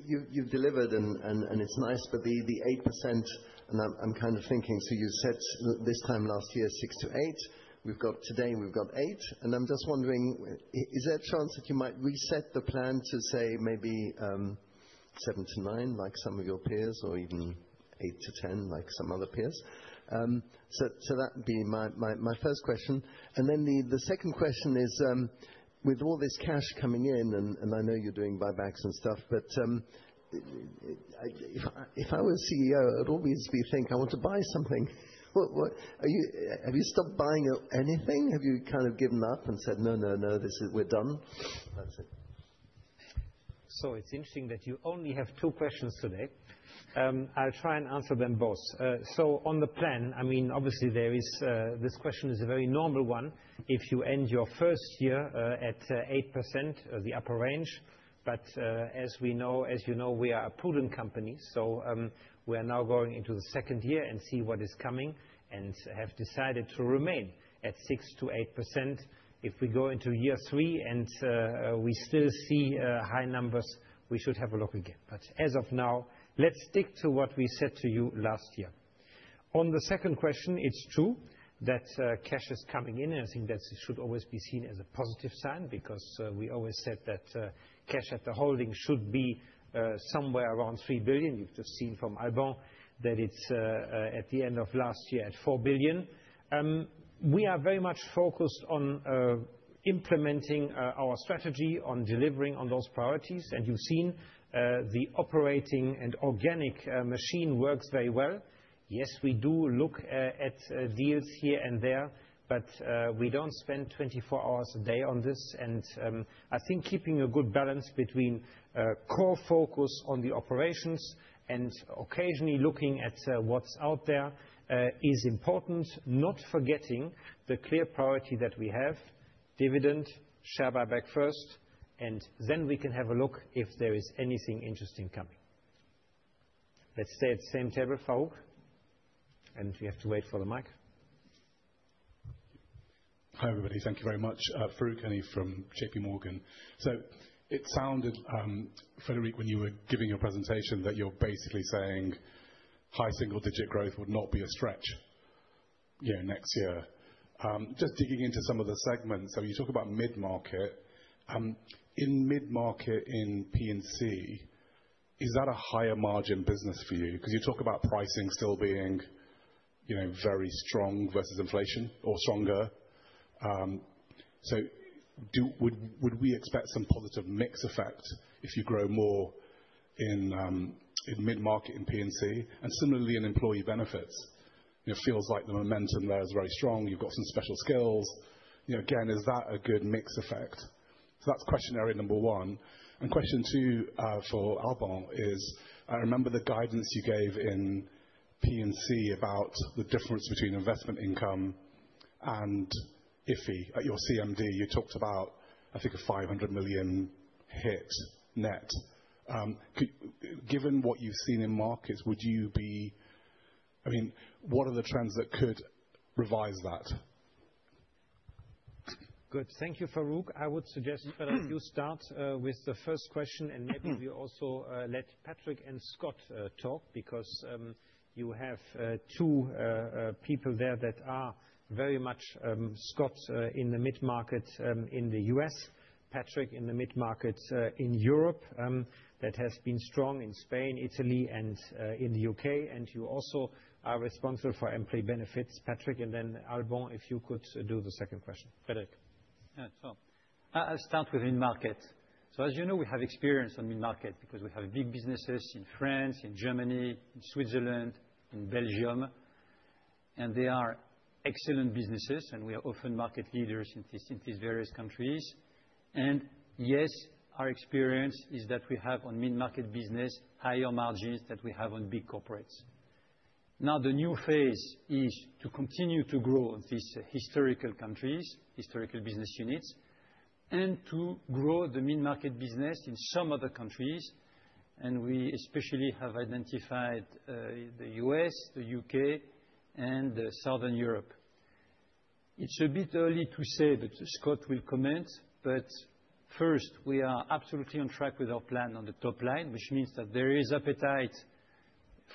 you've delivered, and it's nice, but the 8%, and I'm kind of thinking, so you said this time last year, 6%-8%. Today, we've got eight, and I'm just wondering, is there a chance that you might reset the plan to say maybe seven to nine, like some of your peers, or even eight to 10, like some other peers? So that would be my first question. And then the second question is, with all this cash coming in, and I know you're doing buybacks and stuff, but if I were CEO, I'd always be thinking, I want to buy something. Have you stopped buying anything? Have you kind of given up and said, no, no, no, we're done? That's it. So it's interesting that you only have two questions today. I'll try and answer them both. So on the plan, I mean, obviously, this question is a very normal one. If you end your first year at 8%, the upper range, but as we know, as you know, we are a prudent company. So we're now going into the second year and see what is coming and have decided to remain at 6%-8%. If we go into year three and we still see high numbers, we should have a look again. But as of now, let's stick to what we said to you last year. On the second question, it's true that cash is coming in, and I think that should always be seen as a positive sign because we always said that cash at the holding should be somewhere around €3 billion. You've just seen from Alban that it's at the end of last year at €4 billion. We are very much focused on implementing our strategy on delivering on those priorities, and you've seen the operating and organic machine works very well. Yes, we do look at deals here and there, but we don't spend 24 hours a day on this. And I think keeping a good balance between core focus on the operations and occasionally looking at what's out there is important, not forgetting the clear priority that we have: dividend, share buyback first, and then we can have a look if there is anything interesting coming. Let's stay at the same table, Farooq, and we have to wait for the mic. Hi, everybody. Thank you very much. Farooq Hanif from J.P. Morgan. So it sounded, Frédéric, when you were giving your presentation, that you're basically saying high single-digit growth would not be a stretch next year. Just digging into some of the segments, so you talk about Mid-market. In Mid-market in P&C, is that a higher margin business for you? Because you talk about pricing still being very strong versus inflation or stronger. So would we expect some positive mix effect if you grow more in Mid-market in P&C? And similarly, in Employee Benefits, it feels like the momentum there is very strong. You've got some special skills. Again, is that a good mix effect? So that's question area number one. And question two for Alban is, I remember the guidance you gave in P&C about the difference between investment income and IFI at your CMD. You talked about, I think, a €500 million hit net. Given what you've seen in markets, would you be, I mean, what are the trends that could revise that? Good. Thank you, Farooq. I would suggest that you start with the first question, and maybe we also let Patrick and Scott talk because you have two people there that are very much Scott in the mid-market in the U.S., Patrick in the mid-market in Europe that has been strong in Spain, Italy, and in the U.K., and you also are responsible for employee benefits, Patrick. And then, Alban, if you could do the second question. Frédéric. Yeah, Tom. I'll start with mid-market. So, as you know, we have experience on mid-market because we have big businesses in France, in Germany, in Switzerland, in Belgium. And they are excellent businesses, and we are often market leaders in these various countries. And yes, our experience is that we have on mid-market business higher margins than we have on big corporates. Now, the new phase is to continue to grow these historical countries, historical business units, and to grow the mid-market business in some other countries. And we especially have identified the U.S., the U.K., and Southern Europe. It's a bit early to say that Scott will comment, but first, we are absolutely on track with our plan on the top line, which means that there is appetite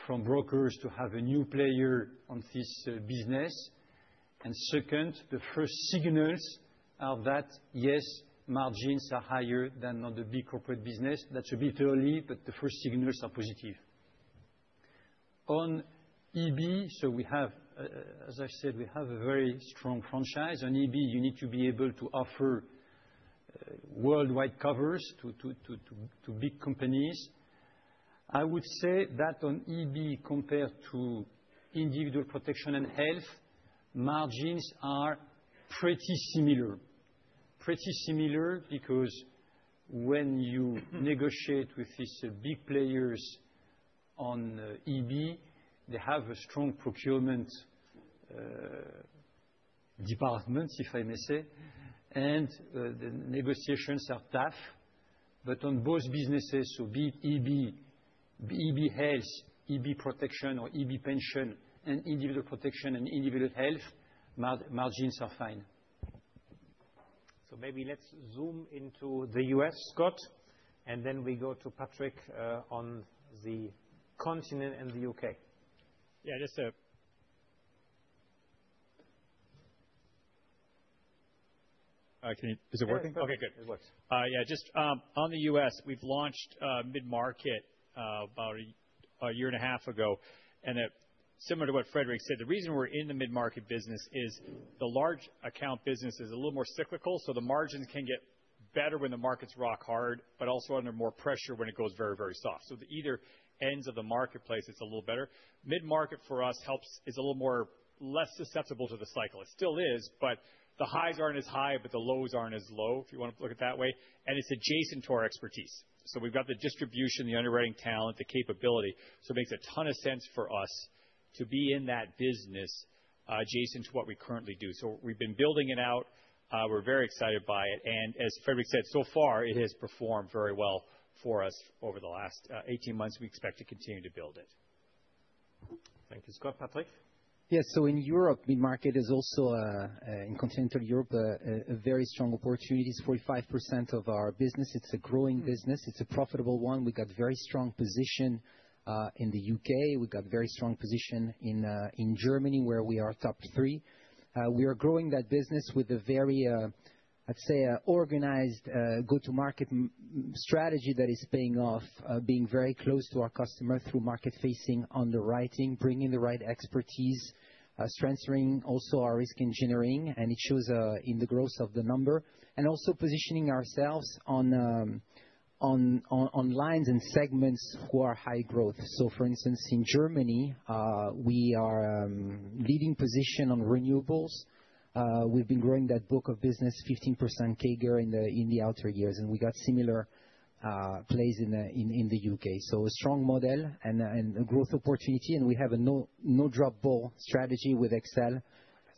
from brokers to have a new player on this business. And second, the first signals are that, yes, margins are higher than on the big corporate business. That's a bit early, but the first signals are positive. On EB, so we have, as I've said, we have a very strong franchise. On EB, you need to be able to offer worldwide covers to big companies. I would say that on EB, compared to individual protection and health, margins are pretty similar. Pretty similar because when you negotiate with these big players on EB, they have a strong procurement department, if I may say, and the negotiations are tough. But on both businesses, so EB, EB health, EB protection, or EB pension, and individual protection and individual health, margins are fine. So maybe let's zoom into the US, Scott, and then we go to Patrick on the continent and the UK. Yeah, just a—Is it working? Okay, good. It works. Yeah, just on the US, we've launched mid-market about a year and a half ago. And similar to what Frédéric said, the reason we're in the mid-market business is the large account business is a little more cyclical, so the margins can get better when the markets rock hard, but also under more pressure when it goes very, very soft. So the either ends of the marketplace, it's a little better. Mid-market for us helps; it's a little more less susceptible to the cycle. It still is, but the highs aren't as high, but the lows aren't as low, if you want to look at it that way. It's adjacent to our expertise. We've got the distribution, the underwriting talent, the capability. It makes a ton of sense for us to be in that business adjacent to what we currently do. We've been building it out. We're very excited by it. As Frédéric said, so far, it has performed very well for us over the last 18 months. We expect to continue to build it. Thank you. Scott, Patrick? Yes, so in Europe, mid-market is also, in continental Europe, a very strong opportunity. It's 45% of our business. It's a growing business. It's a profitable one. We got a very strong position in the UK. We got a very strong position in Germany, where we are top three. We are growing that business with a very, I'd say, organized go-to-market strategy that is paying off, being very close to our customer through market-facing underwriting, bringing the right expertise, strengthening also our risk engineering, and it shows in the growth of the number, and also positioning ourselves on lines and segments who are high growth. So, for instance, in Germany, we are leading position on renewables. We've been growing that book of business, 15% CAGR in the outer years, and we got similar plays in the UK. So a strong model and a growth opportunity, and we have a no-drop ball strategy with AXA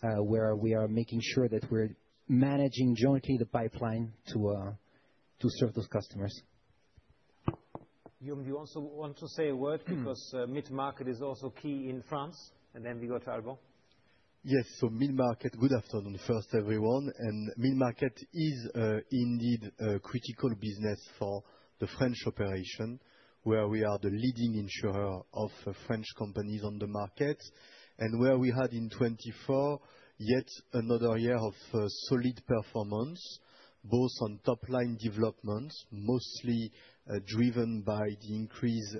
XL, where we are making sure that we're managing jointly the pipeline to serve those customers. Guillaume, do you also want to say a word because mid-market is also key in France? And then we go to Alban. Yes, so mid-market, good afternoon first, everyone. And mid-market is indeed a critical business for the French operation, where we are the leading insurer of French companies on the market, and where we had in 2024 yet another year of solid performance, both on top-line developments, mostly driven by the increase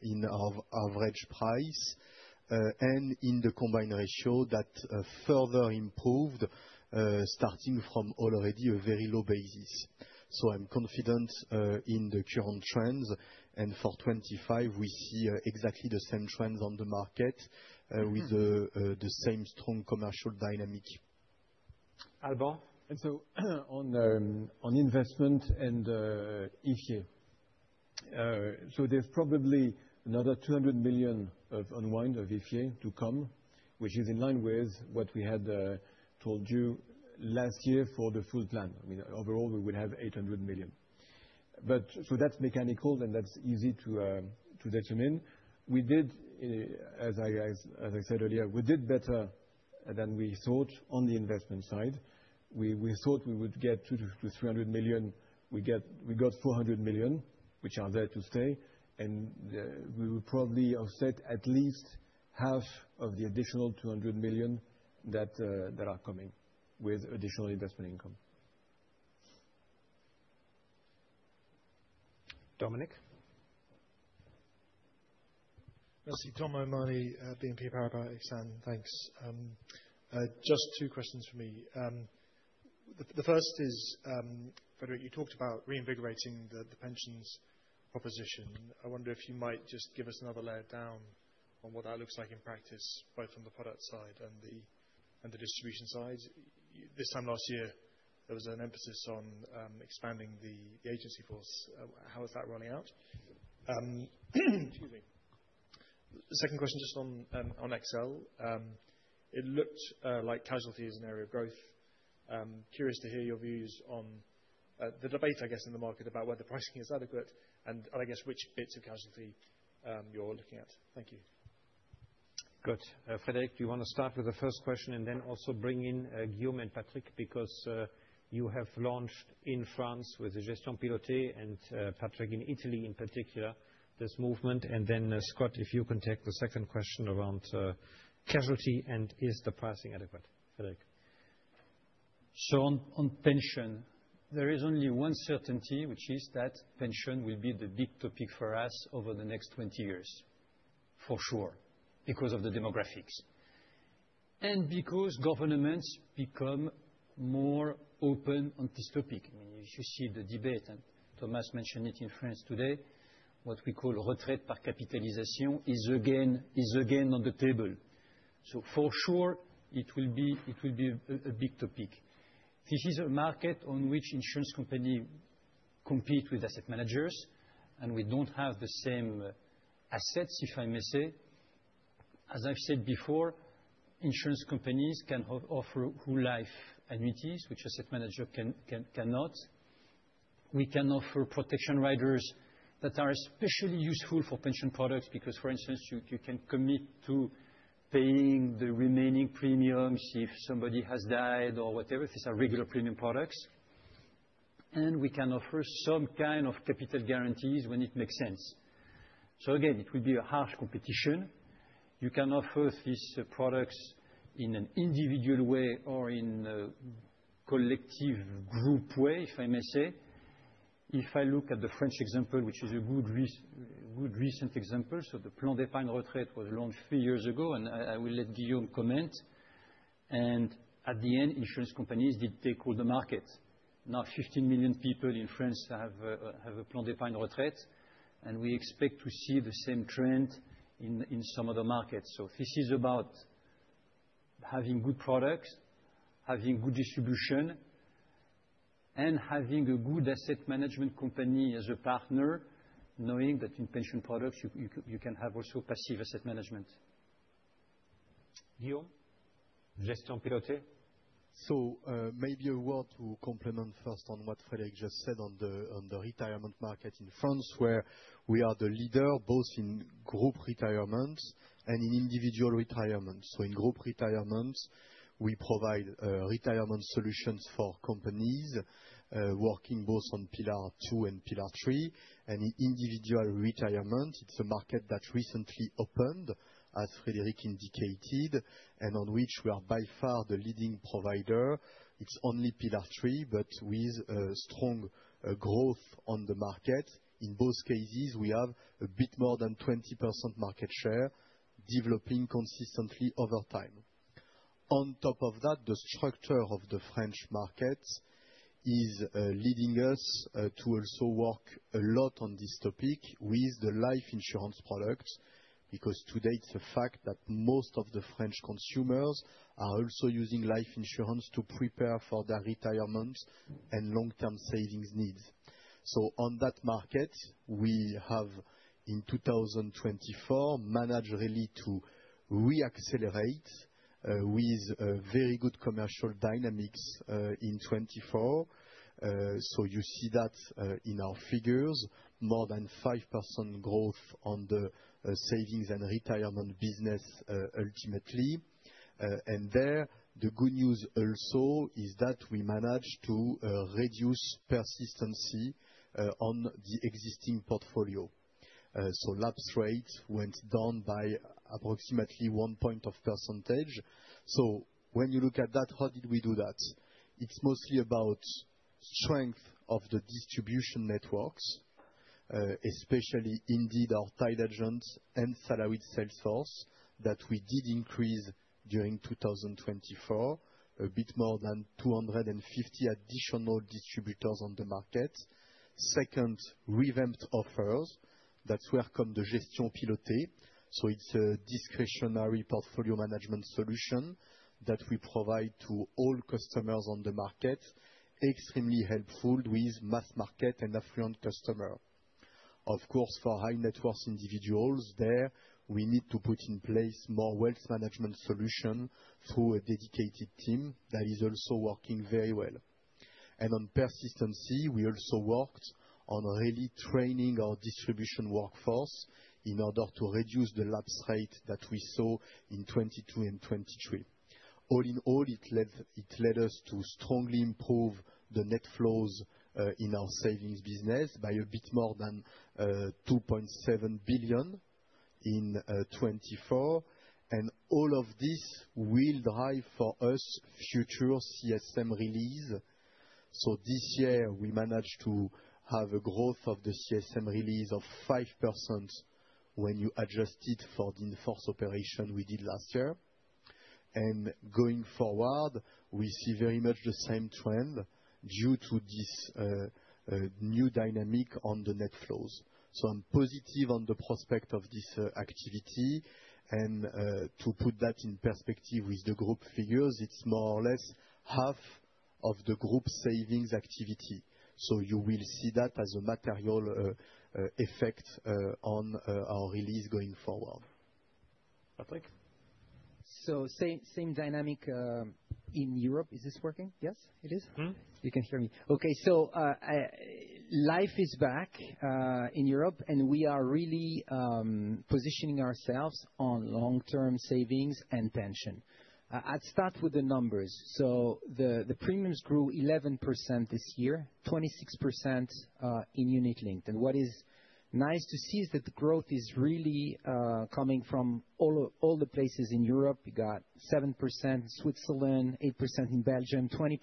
in our average price and in the combined ratio that further improved starting from already a very low basis. So I'm confident in the current trends, and for 2025, we see exactly the same trends on the market with the same strong commercial dynamic. Alban? And so on investment and IFIE. So there's probably another 200 million of unwind of IFIE to come, which is in line with what we had told you last year for the full plan. I mean, overall, we would have 800 million. But so that's mechanical, and that's easy to determine in. We did, as I said earlier, we did better than we thought on the investment side. We thought we would get 200 million-300 million. We got 400 million, which are there to stay, and we will probably offset at least half of the additional 200 million that are coming with additional investment income. Dominic? Merci, Dominic O'Mahony, BNP Paribas, AXA. Thanks. Just two questions for me. The first is, Frédéric, you talked about reinvigorating the pensions proposition. I wonder if you might just give us another lay down on what that looks like in practice, both on the product side and the distribution side. This time last year, there was an emphasis on expanding the agency force. How is that rolling out? Excuse me. Second question just on AXA XL. It looked like casualty is an area of growth. Curious to hear your views on the debate, I guess, in the market about whether pricing is adequate and, I guess, which bits of casualty you're looking at. Thank you. Good. Frédéric, do you want to start with the first question and then also bring in Guillaume and Patrick because you have launched in France with the Gestion Pilotée and Patrick in Italy in particular this movement? And then, Scott, if you can take the second question around casualty and is the pricing adequate, Frédéric? So on pension, there is only one certainty, which is that pension will be the big topic for us over the next 20 years, for sure, because of the demographics and because governments become more open on this topic. I mean, if you see the debate, and Thomas mentioned it in France today, what we call retraite par capitalisation is again on the table. So for sure, it will be a big topic. This is a market on which insurance companies compete with asset managers, and we don't have the same assets, if I may say. As I've said before, insurance companies can offer whole-life annuities, which asset managers cannot. We can offer protection riders that are especially useful for pension products because, for instance, you can commit to paying the remaining premiums if somebody has died or whatever. These are regular premium products. And we can offer some kind of capital guarantees when it makes sense. So again, it will be a harsh competition. You can offer these products in an individual way or in a collective group way, if I may say. If I look at the French example, which is a good recent example, so the Plan d'Épargne Retraite was launched three years ago, and I will let Guillaume comment. At the end, insurance companies did take all the market. Now, 15 million people in France have a Plan d'Épargne Retraite, and we expect to see the same trend in some other markets. This is about having good products, having good distribution, and having a good asset management company as a partner, knowing that in pension products, you can have also passive asset management. Guillaume? Gestion Pilotée? Maybe a word to complement first on what Frédéric just said on the retirement market in France, where we are the leader both in group retirements and in individual retirements. In group retirements, we provide retirement solutions for companies working both on Pillar 2 and Pillar 3. In individual retirement, it's a market that recently opened, as Frédéric indicated, and on which we are by far the leading provider. It's only Pillar 3, but with strong growth on the market. In both cases, we have a bit more than 20% market share developing consistently over time. On top of that, the structure of the French market is leading us to also work a lot on this topic with the life insurance products because today, it's a fact that most of the French consumers are also using life insurance to prepare for their retirement and long-term savings needs. So on that market, we have, in 2024, managed really to reaccelerate with very good commercial dynamics in 2024. So you see that in our figures, more than 5% growth on the savings and retirement business ultimately. And there, the good news also is that we managed to reduce persistency on the existing portfolio. So lapse rates went down by approximately one percentage point. So when you look at that, how did we do that? It's mostly about strength of the distribution networks, especially indeed our tied agents and salaried salesforce that we did increase during 2024, a bit more than 250 additional distributors on the market. Second, revamped offers. That's where comes the Gestion Pilotée. So it's a discretionary portfolio management solution that we provide to all customers on the market, extremely helpful with mass market and affluent customers. Of course, for high net worth individuals, there we need to put in place more wealth management solutions through a dedicated team that is also working very well. And on persistency, we also worked on really training our distribution workforce in order to reduce the lapse rate that we saw in 2022 and 2023. All in all, it led us to strongly improve the net flows in our savings business by a bit more than €2.7 billion in 2024. And all of this will drive for us future CSM release. So this year, we managed to have a growth of the CSM release of 5% when you adjust it for the enforced transaction we did last year. And going forward, we see very much the same trend due to this new dynamic on the net flows. So I'm positive on the prospect of this activity. And to put that in perspective with the group figures, it's more or less half of the group savings activity. So you will see that as a material effect on our release going forward. Patrick? So same dynamic in Europe. Is this working? Yes, it is. You can hear me. Okay, so life is back in Europe, and we are really positioning ourselves on long-term savings and pension. I'll start with the numbers. So the premiums grew 11% this year, 26% in unit linked. And what is nice to see is that the growth is really coming from all the places in Europe. We got 7% in Switzerland, 8% in Belgium, 20%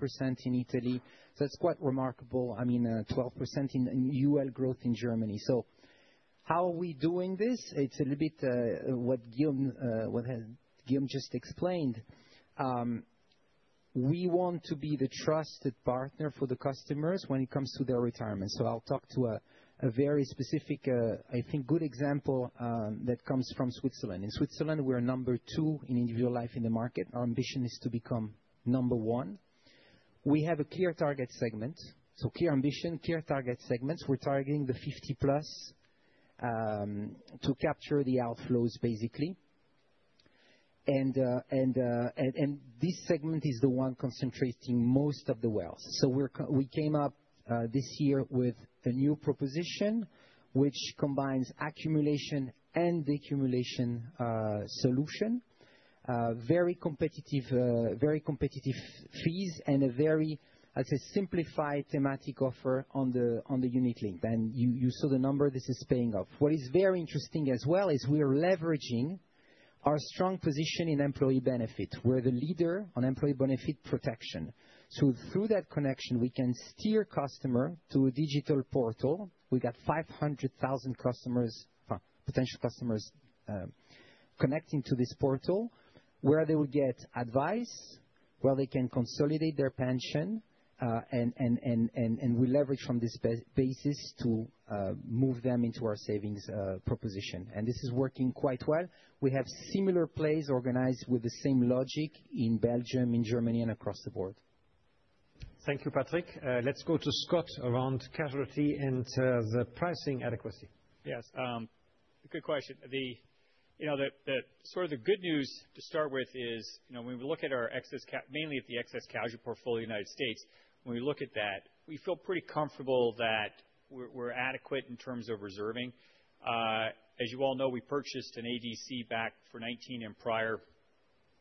in Italy. So that's quite remarkable. I mean, 12% in UL growth in Germany. So how are we doing this? It's a little bit what Guillaume just explained. We want to be the trusted partner for the customers when it comes to their retirement. So I'll talk to a very specific, I think, good example that comes from Switzerland. In Switzerland, we're number two in individual life in the market. Our ambition is to become number one. We have a clear target segment, so clear ambition, clear target segments. We're targeting the 50-plus to capture the outflows, basically, and this segment is the one concentrating most of the wealth, so we came up this year with a new proposition, which combines accumulation and accumulation solution, very competitive fees, and a very, I'd say, simplified thematic offer on the unit linked, and you saw the number this is paying off. What is very interesting as well is we're leveraging our strong position in employee benefit. We're the leader on employee benefit protection, so through that connection, we can steer customers to a digital portal. We got 500,000 potential customers connecting to this portal where they will get advice, where they can consolidate their pension, and we leverage from this basis to move them into our savings proposition, and this is working quite well. We have similar plays organized with the same logic in Belgium, in Germany, and across the board. Thank you, Patrick. Let's go to Scott around casualty and the pricing adequacy. Yes. Good question. Sort of the good news to start with is when we look at our excess, mainly at the excess casualty portfolio in the United States, when we look at that, we feel pretty comfortable that we're adequate in terms of reserving. As you all know, we purchased an ADC back for 2019 and prior.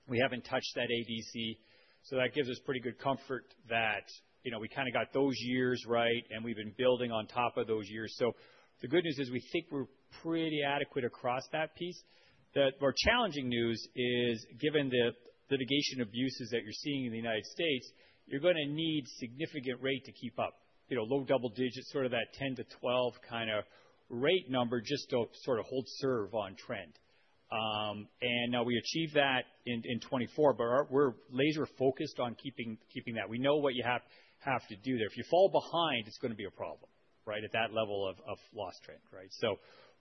We haven't touched that ADC. So that gives us pretty good comfort that we kind of got those years right, and we've been building on top of those years. So the good news is we think we're pretty adequate across that piece. The more challenging news is, given the litigation abuses that you're seeing in the United States, you're going to need a significant rate to keep up, low double digits, sort of that 10-12 kind of rate number just to sort of hold serve on trend. And now we achieved that in 2024, but we're laser-focused on keeping that. We know what you have to do there. If you fall behind, it's going to be a problem at that level of loss trend.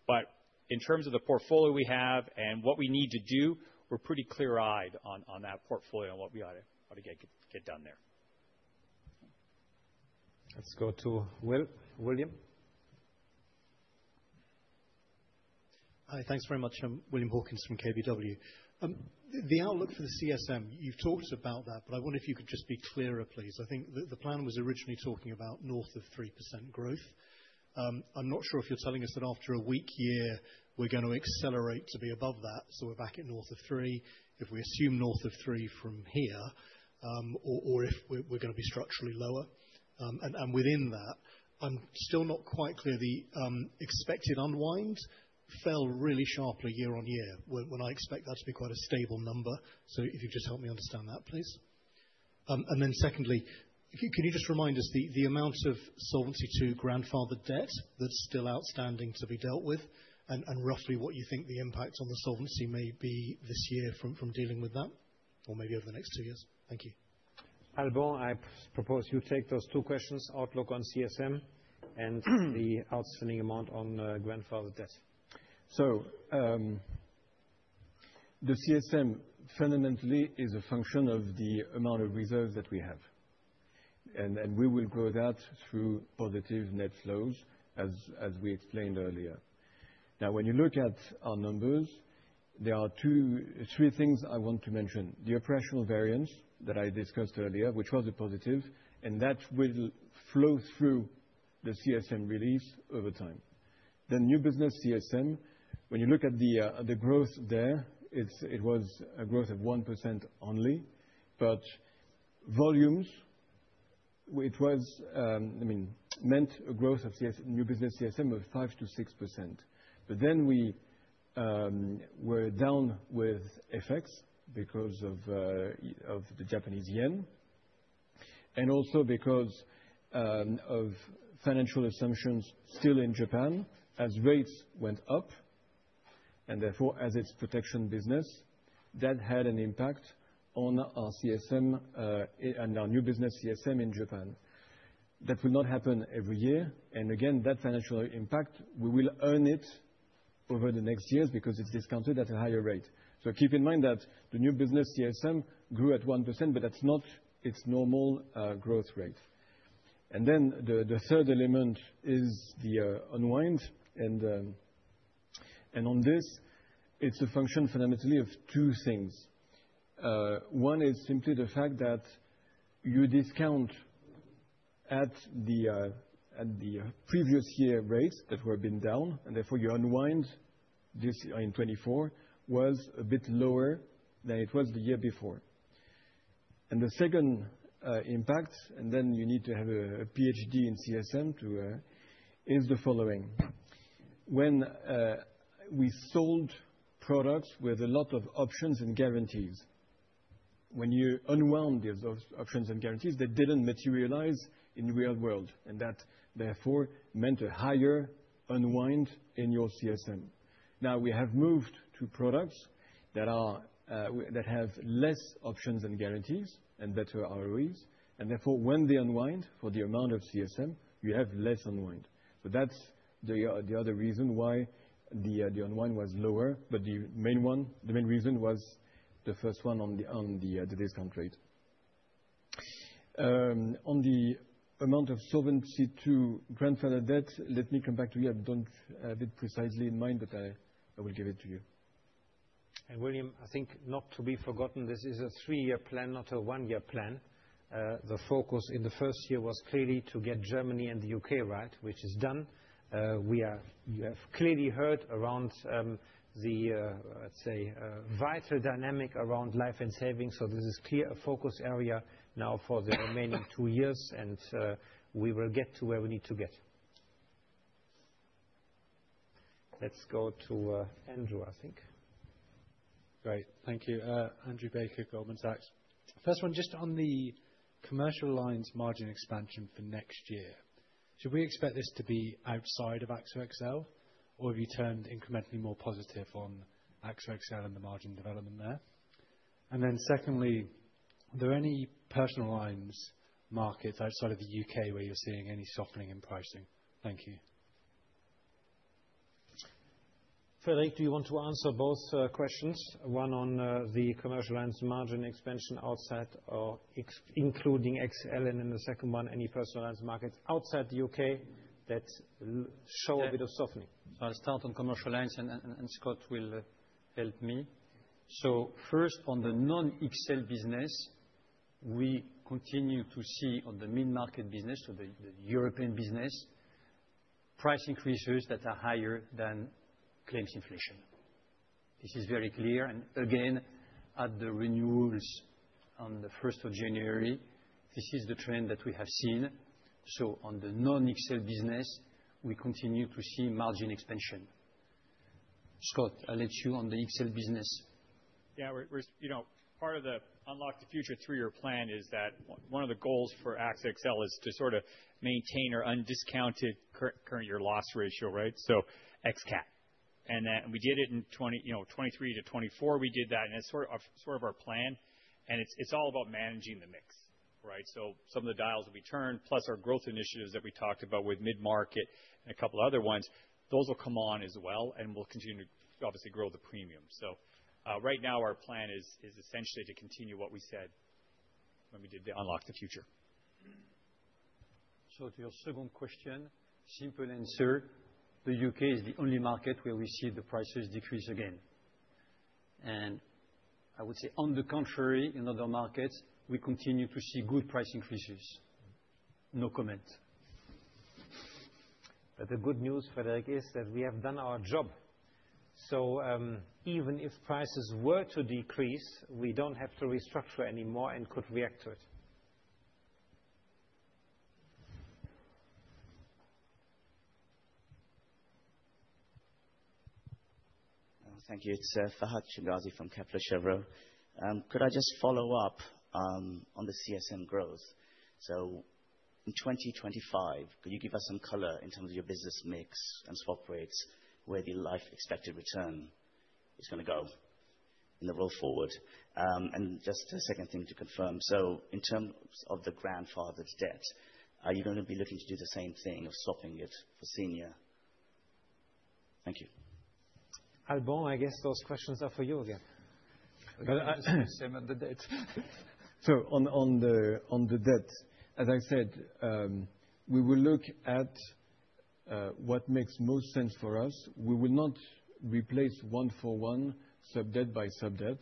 But in terms of the portfolio we have and what we need to do, we're pretty clear-eyed on that portfolio and what we ought to get done there. Let's go to William. Hi, thanks very much. I'm William Hawkins from KBW. The outlook for the CSM, you've talked about that, but I wonder if you could just be clearer, please. I think the plan was originally talking about north of 3% growth. I'm not sure if you're telling us that after a weak year, we're going to accelerate to be above that. So we're back at north of 3% if we assume north of 3% from here or if we're going to be structurally lower. And within that, I'm still not quite clear. The expected unwind fell really sharply year on year when I expect that to be quite a stable number. So if you just help me understand that, please. And then secondly, can you just remind us the amount of Solvency II grandfathered debt that's still outstanding to be dealt with and roughly what you think the impact on the solvency may be this year from dealing with that or maybe over the next two years? Thank you. Alban, I propose you take those two questions, outlook on CSM and the outstanding amount on grandfather debt so the CSM fundamentally is a function of the amount of reserves that we have, and we will grow that through positive net flows, as we explained earlier. Now, when you look at our numbers, there are three things I want to mention. The operational variance that I discussed earlier, which was a positive, and that will flow through the CSM release over time then new business CSM, when you look at the growth there, it was a growth of 1% only. But volumes, it was, I mean, meant a growth of new business CSM of 5%-6%. But then we were down with FX because of the Japanese yen and also because of financial assumptions still in Japan. As rates went up and therefore as its protection business, that had an impact on our CSM and our new business CSM in Japan. That will not happen every year, and again, that financial impact, we will earn it over the next years because it's discounted at a higher rate, so keep in mind that the new business CSM grew at 1%, but that's not its normal growth rate, and then the third element is the unwind, and on this, it's a function fundamentally of two things. One is simply the fact that you discount at the previous year rates that had been down, and therefore your unwind in 2024 was a bit lower than it was the year before, and the second impact, and then you need to have a PhD in CSM, is the following. When we sold products with a lot of options and guarantees, when you unwound those options and guarantees, they didn't materialize in the real world, and that therefore meant a higher unwind in your CSM. Now, we have moved to products that have less options and guarantees and better ROEs, and therefore, when they unwind for the amount of CSM, you have less unwind, so that's the other reason why the unwind was lower, but the main reason was the first one on the discount rate. On the amount of solvency to grandfather debt, let me come back to you. I don't have it precisely in mind, but I will give it to you, and William, I think not to be forgotten, this is a three-year plan, not a one-year plan. The focus in the first year was clearly to get Germany and the UK right, which is done. You have clearly heard around the, let's say, vital dynamic around life and savings. So this is clearly a focus area now for the remaining two years, and we will get to where we need to get. Let's go to Andrew, I think. Great. Thank you. Andrew Baker, Goldman Sachs. First one, just on the commercial lines margin expansion for next year. Should we expect this to be outside of AXA XL, or have you turned incrementally more positive on AXA XL and the margin development there? And then secondly, are there any personal lines markets outside of the U.K. where you're seeing any softening in pricing? Thank you. Freddie, do you want to answer both questions, one on the commercial lines margin expansion outside or including XL, and in the second one, any personal lines markets outside the U.K. that show a bit of softening? I'll start on commercial lines, and Scott will help me. First, on the non-XL business, we continue to see on the mid-market business, so the European business, price increases that are higher than claims inflation. This is very clear. Again, at the renewals on the 1st of January, this is the trend that we have seen. On the non-XL business, we continue to see margin expansion. Scott, I'll let you on the XL business. Yeah. Part of the Unlock the Future three-year plan is that one of the goals for AXA XL is to sort of maintain our undiscounted current-year loss ratio, right? So Nat Cat. We did it in 2023 to 2024. We did that, and it's sort of our plan. It's all about managing the mix, right? So some of the dials will be turned, plus our growth initiatives that we talked about with mid-market and a couple of other ones. Those will come on as well, and we'll continue to obviously grow the premium. So right now, our plan is essentially to continue what we said when we did the Unlock the Future. So to your second question, simple answer, the UK is the only market where we see the prices decrease again. And I would say, on the contrary, in other markets, we continue to see good price increases. No comment. But the good news, Frederick, is that we have done our job. So even if prices were to decrease, we don't have to restructure anymore and could react to it. Thank you. It's Farhad Changizi from Kepler Cheuvreux. Could I just follow up on the CSM growth? In 2025, could you give us some color in terms of your business mix and swap rates where the life expected return is going to go in the roll forward? And just a second thing to confirm. So in terms of the grandfathered debt, are you going to be looking to do the same thing of swapping it for senior? Thank you. Alban, I guess those questions are for you again. So on the debt, as I said, we will look at what makes most sense for us. We will not replace one for one subdebt by subdebt,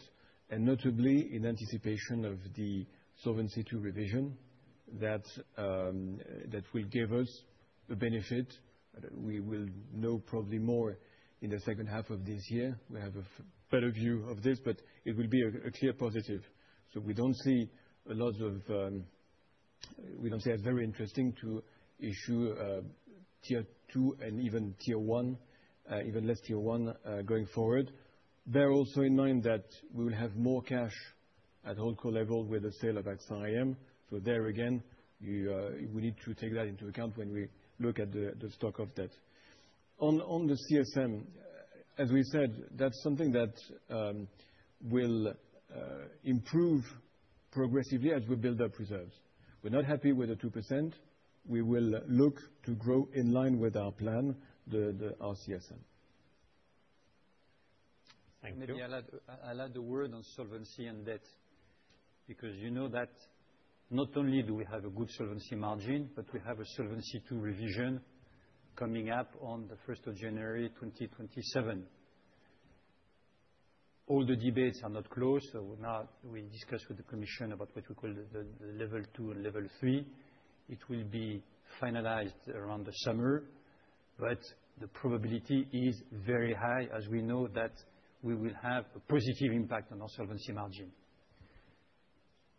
and notably in anticipation of the Solvency II revision that will give us a benefit. We will know probably more in the second half of this year. We have a better view of this, but it will be a clear positive. So we don't see it as very interesting to issue Tier 2 and even Tier 1, even less Tier 1 going forward. Bear in mind also that we will have more cash at holding level with the sale of AXA IM. So there again, we need to take that into account when we look at the stock of debt. On the CSM, as we said, that's something that will improve progressively as we build up reserves. We're not happy with the 2%. We will look to grow in line with our plan, our CSM. Thank you. I'll add a word on solvency and debt because you know that not only do we have a good solvency margin, but we have a Solvency II revision coming up on the 1st of January, 2027. All the debates are not closed. We discussed with the commission about what we call the level two and level three. It will be finalized around the summer, but the probability is very high, as we know, that we will have a positive impact on our solvency margin.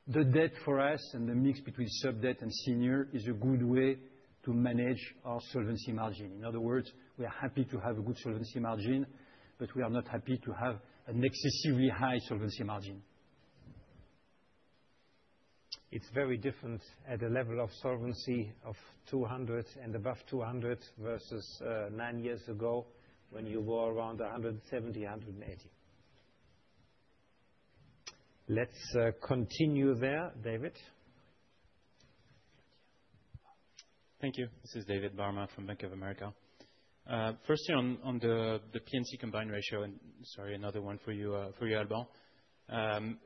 The debt for us and the mix between subdebt and senior is a good way to manage our solvency margin. In other words, we are happy to have a good solvency margin, but we are not happy to have an excessively high solvency margin. It's very different at a level of solvency of 200 and above 200 versus nine years ago when you were around 170, 180. Let's continue there, David. Thank you. This is David Barma from Bank of America. Firstly, on the P&C combined ratio, and sorry, another one for you, Alban.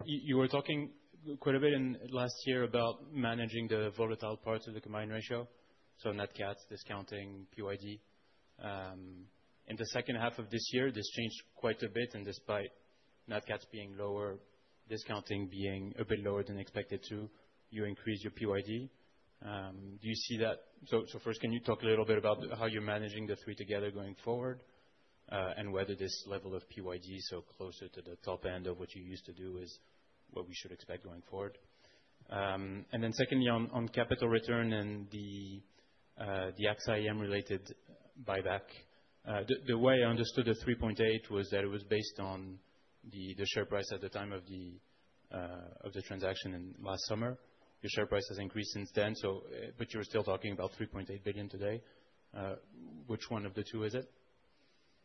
You were talking quite a bit last year about managing the volatile parts of the combined ratio, so net cats, discounting, PYD. In the second half of this year, this changed quite a bit. Despite net cats being lower, discounting being a bit lower than expected, too, you increased your PYD. Do you see that? First, can you talk a little bit about how you're managing the three together going forward and whether this level of PYD, so closer to the top end of what you used to do, is what we should expect going forward? Then, secondly, on capital return and the AXA IM-related buyback, the way I understood the 3.8 billion was that it was based on the share price at the time of the transaction last summer. Your share price has increased since then, but you're still talking about 3.8 billion today. Which one of the two is it?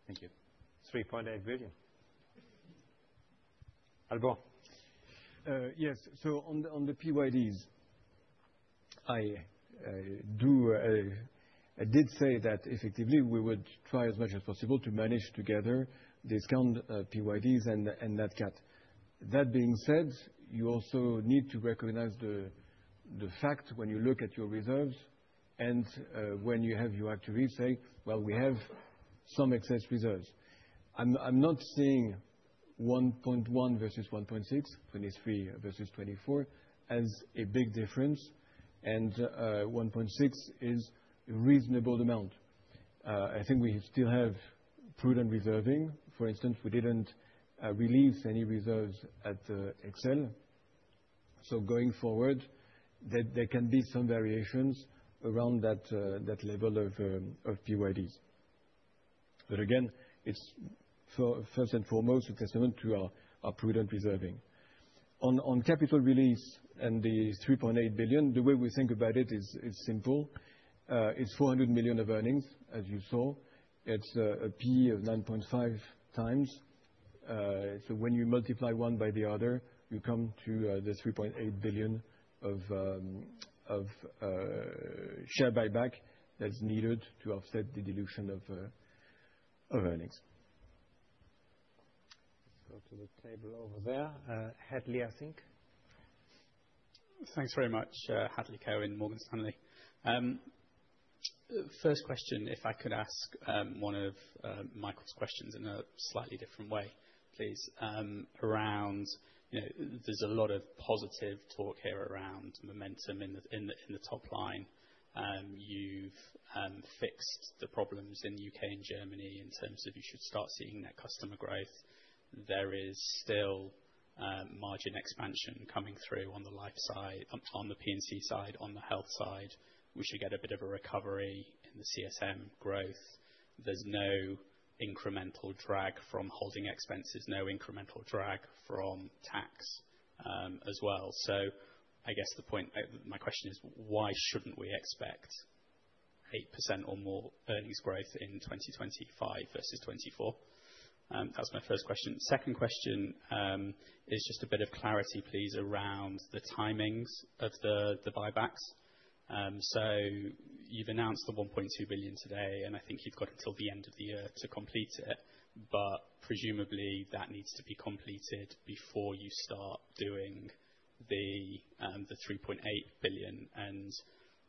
Thank you. €3.8 billion. Alban. Yes. So on the PYDs, I did say that effectively we would try as much as possible to manage together discount PYDs and net cat. That being said, you also need to recognize the fact when you look at your reserves and when you have your actuaries say, "Well, we have some excess reserves." I'm not seeing €1.1 versus €1.6, 2023 versus 2024 as a big difference. And €1.6 is a reasonable amount. I think we still have prudent reserving. For instance, we didn't release any reserves at XL. So going forward, there can be some variations around that level of PYDs. But again, it's first and foremost a testament to our prudent reserving. On capital release and the €3.8 billion, the way we think about it is simple. It's €400 million of earnings, as you saw. It's a P of 9.5 times. So when you multiply one by the other, you come to the €3.8 billion of share buyback that's needed to offset the dilution of earnings. Let's go to the table over there. Hadley, I think. Thanks very much, Hadley Cohen, Morgan Stanley. First question, if I could ask one of Michael's questions in a slightly different way, please, around, there's a lot of positive talk here around momentum in the top line. You've fixed the problems in the UK and Germany in terms of you should start seeing net customer growth. There is still margin expansion coming through on the life side, on the P&C side, on the health side. We should get a bit of a recovery in the CSM growth. There's no incremental drag from holding expenses, no incremental drag from tax as well. So I guess my question is, why shouldn't we expect 8% or more earnings growth in 2025 versus 2024? That was my first question. Second question is just a bit of clarity, please, around the timings of the buybacks. So you've announced the €1.2 billion today, and I think you've got until the end of the year to complete it. But presumably, that needs to be completed before you start doing the €3.8 billion. And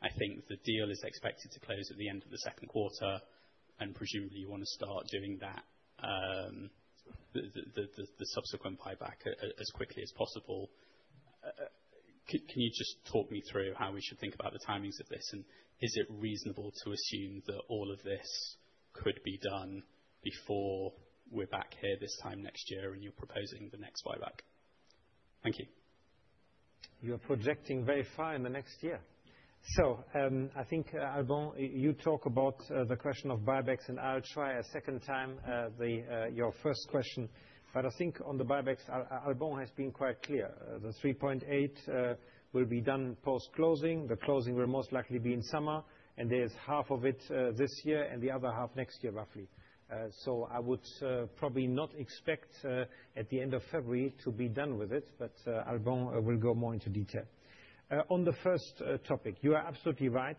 I think the deal is expected to close at the end of the second quarter. And presumably, you want to start doing the subsequent buyback as quickly as possible. Can you just talk me through how we should think about the timings of this? And is it reasonable to assume that all of this could be done before we're back here this time next year when you're proposing the next buyback? Thank you. You're projecting very far in the next year. So I think, Alban, you talk about the question of buybacks, and I'll try a second time your first question. But I think on the buybacks, Alban has been quite clear. The 3.8 will be done post-closing. The closing will most likely be in summer, and there's half of it this year and the other half next year, roughly. So I would probably not expect at the end of February to be done with it, but Alban will go more into detail. On the first topic, you are absolutely right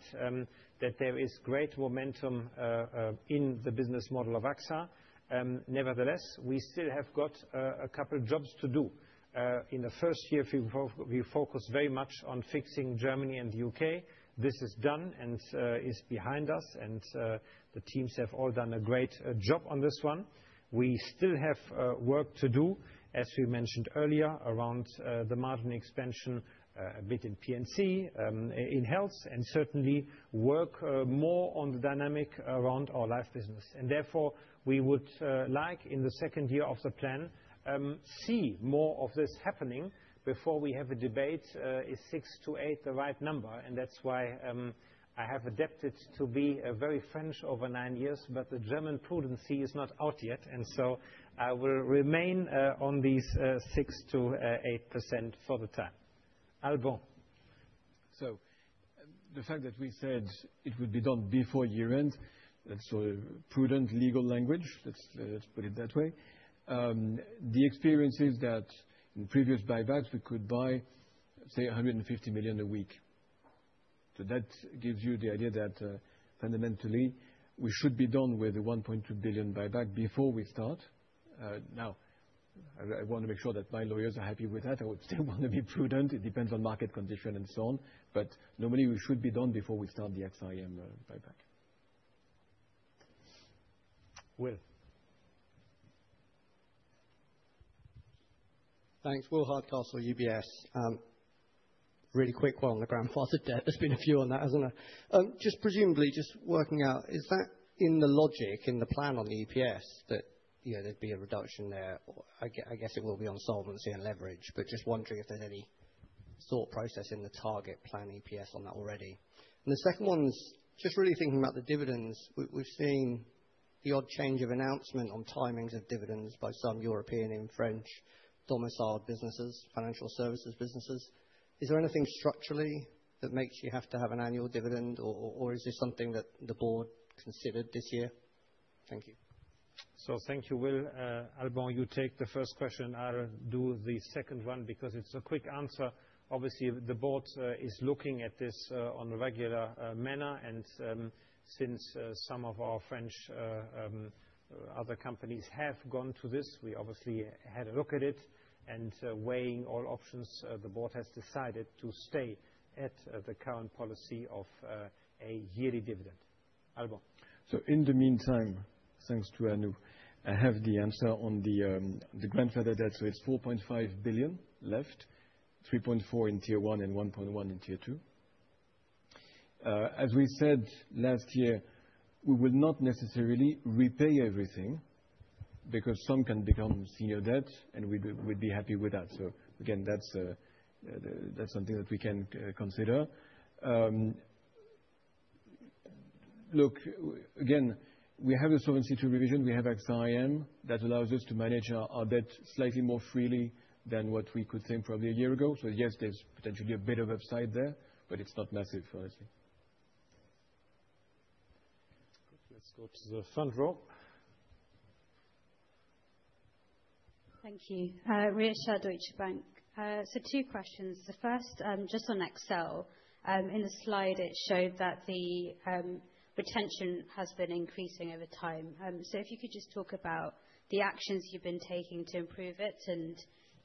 that there is great momentum in the business model of AXA. Nevertheless, we still have got a couple of jobs to do. In the first year, we focused very much on fixing Germany and the UK. This is done and is behind us, and the teams have all done a great job on this one. We still have work to do, as we mentioned earlier, around the margin expansion a bit in P&C, in health, and certainly work more on the dynamic around our life business. And therefore, we would like, in the second year of the plan, to see more of this happening before we have a debate. Is 6%-8% the right number? And that's why I have adapted to be very French over nine years, but the German prudence is not out yet. And so I will remain on these 6%-8% for the time. Alban. So the fact that we said it would be done before year-end, that's prudent legal language. Let's put it that way. The experience is that in previous buybacks, we could buy, say, €150 million a week. So that gives you the idea that fundamentally, we should be done with the €1.2 billion buyback before we start. Now, I want to make sure that my lawyers are happy with that. I would still want to be prudent. It depends on market condition and so on. But normally, we should be done before we start the AXA IM buyback. Will. Thanks. Will Hardcastle, UBS. Really quick one on the grandfathered debt. There's been a few on that, hasn't there? Just presumably, just working out, is that in the logic, in the plan on the EPS, that there'd be a reduction there? I guess it will be on solvency and leverage, but just wondering if there's any thought process in the target plan EPS on that already. And the second one's just really thinking about the dividends. We've seen the odd change of announcement on timings of dividends by some European and French domiciled businesses, financial services businesses. Is there anything structurally that makes you have to have an annual dividend, or is this something that the board considered this year? Thank you. So thank you, Will. Alban, you take the first question. I'll do the second one because it's a quick answer. Obviously, the board is looking at this on a regular manner. And since some of our French other companies have gone to this, we obviously had a look at it. And weighing all options, the board has decided to stay at the current policy of a yearly dividend. Alban. So in the meantime, thanks to Anu, I have the answer on the grandfathered debt. It's 4.5 billion left, 3.4 billion in Tier 1 and 1.1 billion in Tier 2. As we said last year, we will not necessarily repay everything because some can become senior debt, and we'd be happy with that. So again, that's something that we can consider. Look, again, we have a Solvency II revision. We have AXA IM that allows us to manage our debt slightly more freely than what we could think probably a year ago. So yes, there's potentially a bit of upside there, but it's not massive, honestly. Let's go to the front row. Thank you. Rhea Shah, Deutsche Bank. So two questions. The first, just on AXA XL. In the slide, it showed that the retention has been increasing over time. So if you could just talk about the actions you've been taking to improve it and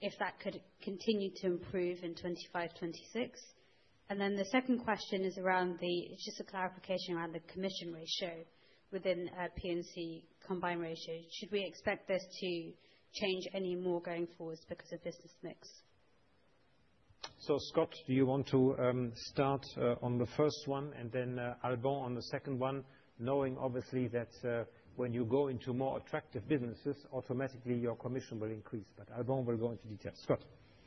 if that could continue to improve in 2025, 2026. And then the second question is around it. It's just a clarification around the commission ratio within P&C combined ratio. Should we expect this to change any more going forward because of business mix? So Scott, do you want to start on the first one and then Alban on the second one, knowing obviously that when you go into more attractive businesses, automatically your commission will increase. But Alban will go into detail. Scott.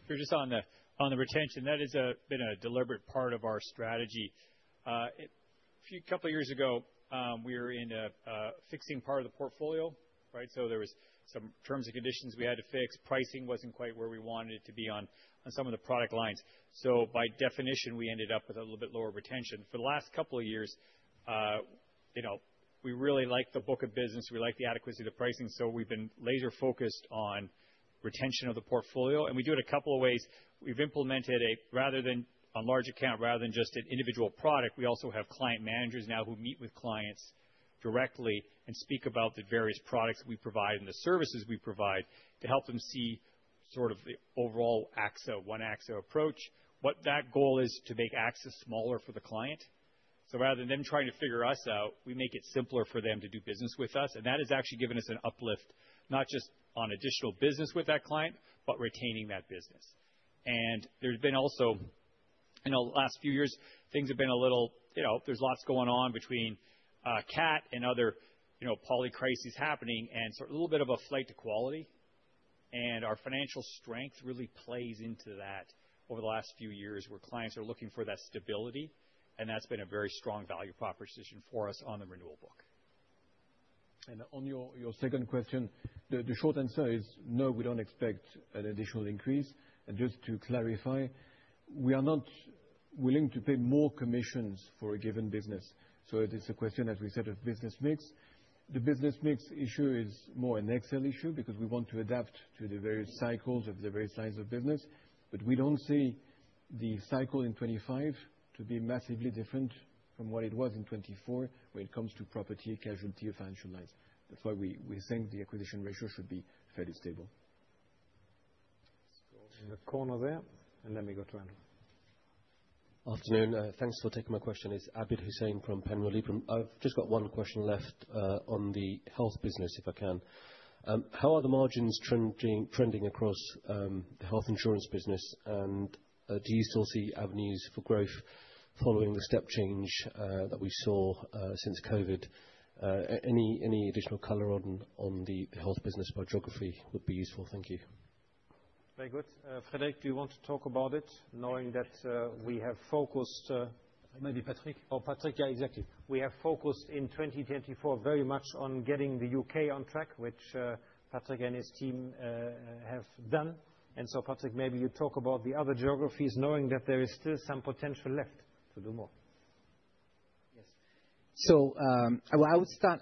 You're just on the retention. That has been a deliberate part of our strategy. A couple of years ago, we were in fixing part of the portfolio, right? So there were some terms and conditions we had to fix. Pricing wasn't quite where we wanted it to be on some of the product lines. So by definition, we ended up with a little bit lower retention. For the last couple of years, we really like the book of business. We like the adequacy of the pricing. So we've been laser-focused on retention of the portfolio. And we do it a couple of ways. We've implemented a, rather than a large account, rather than just an individual product, we also have client managers now who meet with clients directly and speak about the various products we provide and the services we provide to help them see sort of the overall AXA, one AXA approach, what that goal is to make AXA smaller for the client. So rather than them trying to figure us out, we make it simpler for them to do business with us. And that has actually given us an uplift, not just on additional business with that client, but retaining that business. And there's been also, in the last few years, things have been a little. There's lots going on between CAT and other poly crises happening and sort of a little bit of a flight to quality. And our financial strength really plays into that over the last few years where clients are looking for that stability. And that's been a very strong value proposition for us on the renewal book. And on your second question, the short answer is no. We don't expect an additional increase. And just to clarify, we are not willing to pay more commissions for a given business. So it is a question, as we said, of business mix. The business mix issue is more an AXA XL issue because we want to adapt to the various cycles of the various lines of business. But we don't see the cycle in 2025 to be massively different from what it was in 2024 when it comes to property, casualty, or financial lines. That's why we think the acquisition ratio should be fairly stable. Let's go to the corner there. And let me go to Andrew. Afternoon. Thanks for taking my question. It's Abid Hussain from Panmure Liberum. I've just got one question left on the health business, if I can. How are the margins trending across the health insurance business? And do you still see avenues for growth following the step change that we saw since COVID? Any additional color on the health business by geography would be useful. Thank you. Very good. Frédéric, do you want to talk about it, knowing that we have focused? Maybe Patrick. Oh, Patrick, yeah, exactly. We have focused in 2024 very much on getting the UK on track, which Patrick and his team have done, and so Patrick, maybe you talk about the other geographies, knowing that there is still some potential left to do more. Yes, so I would start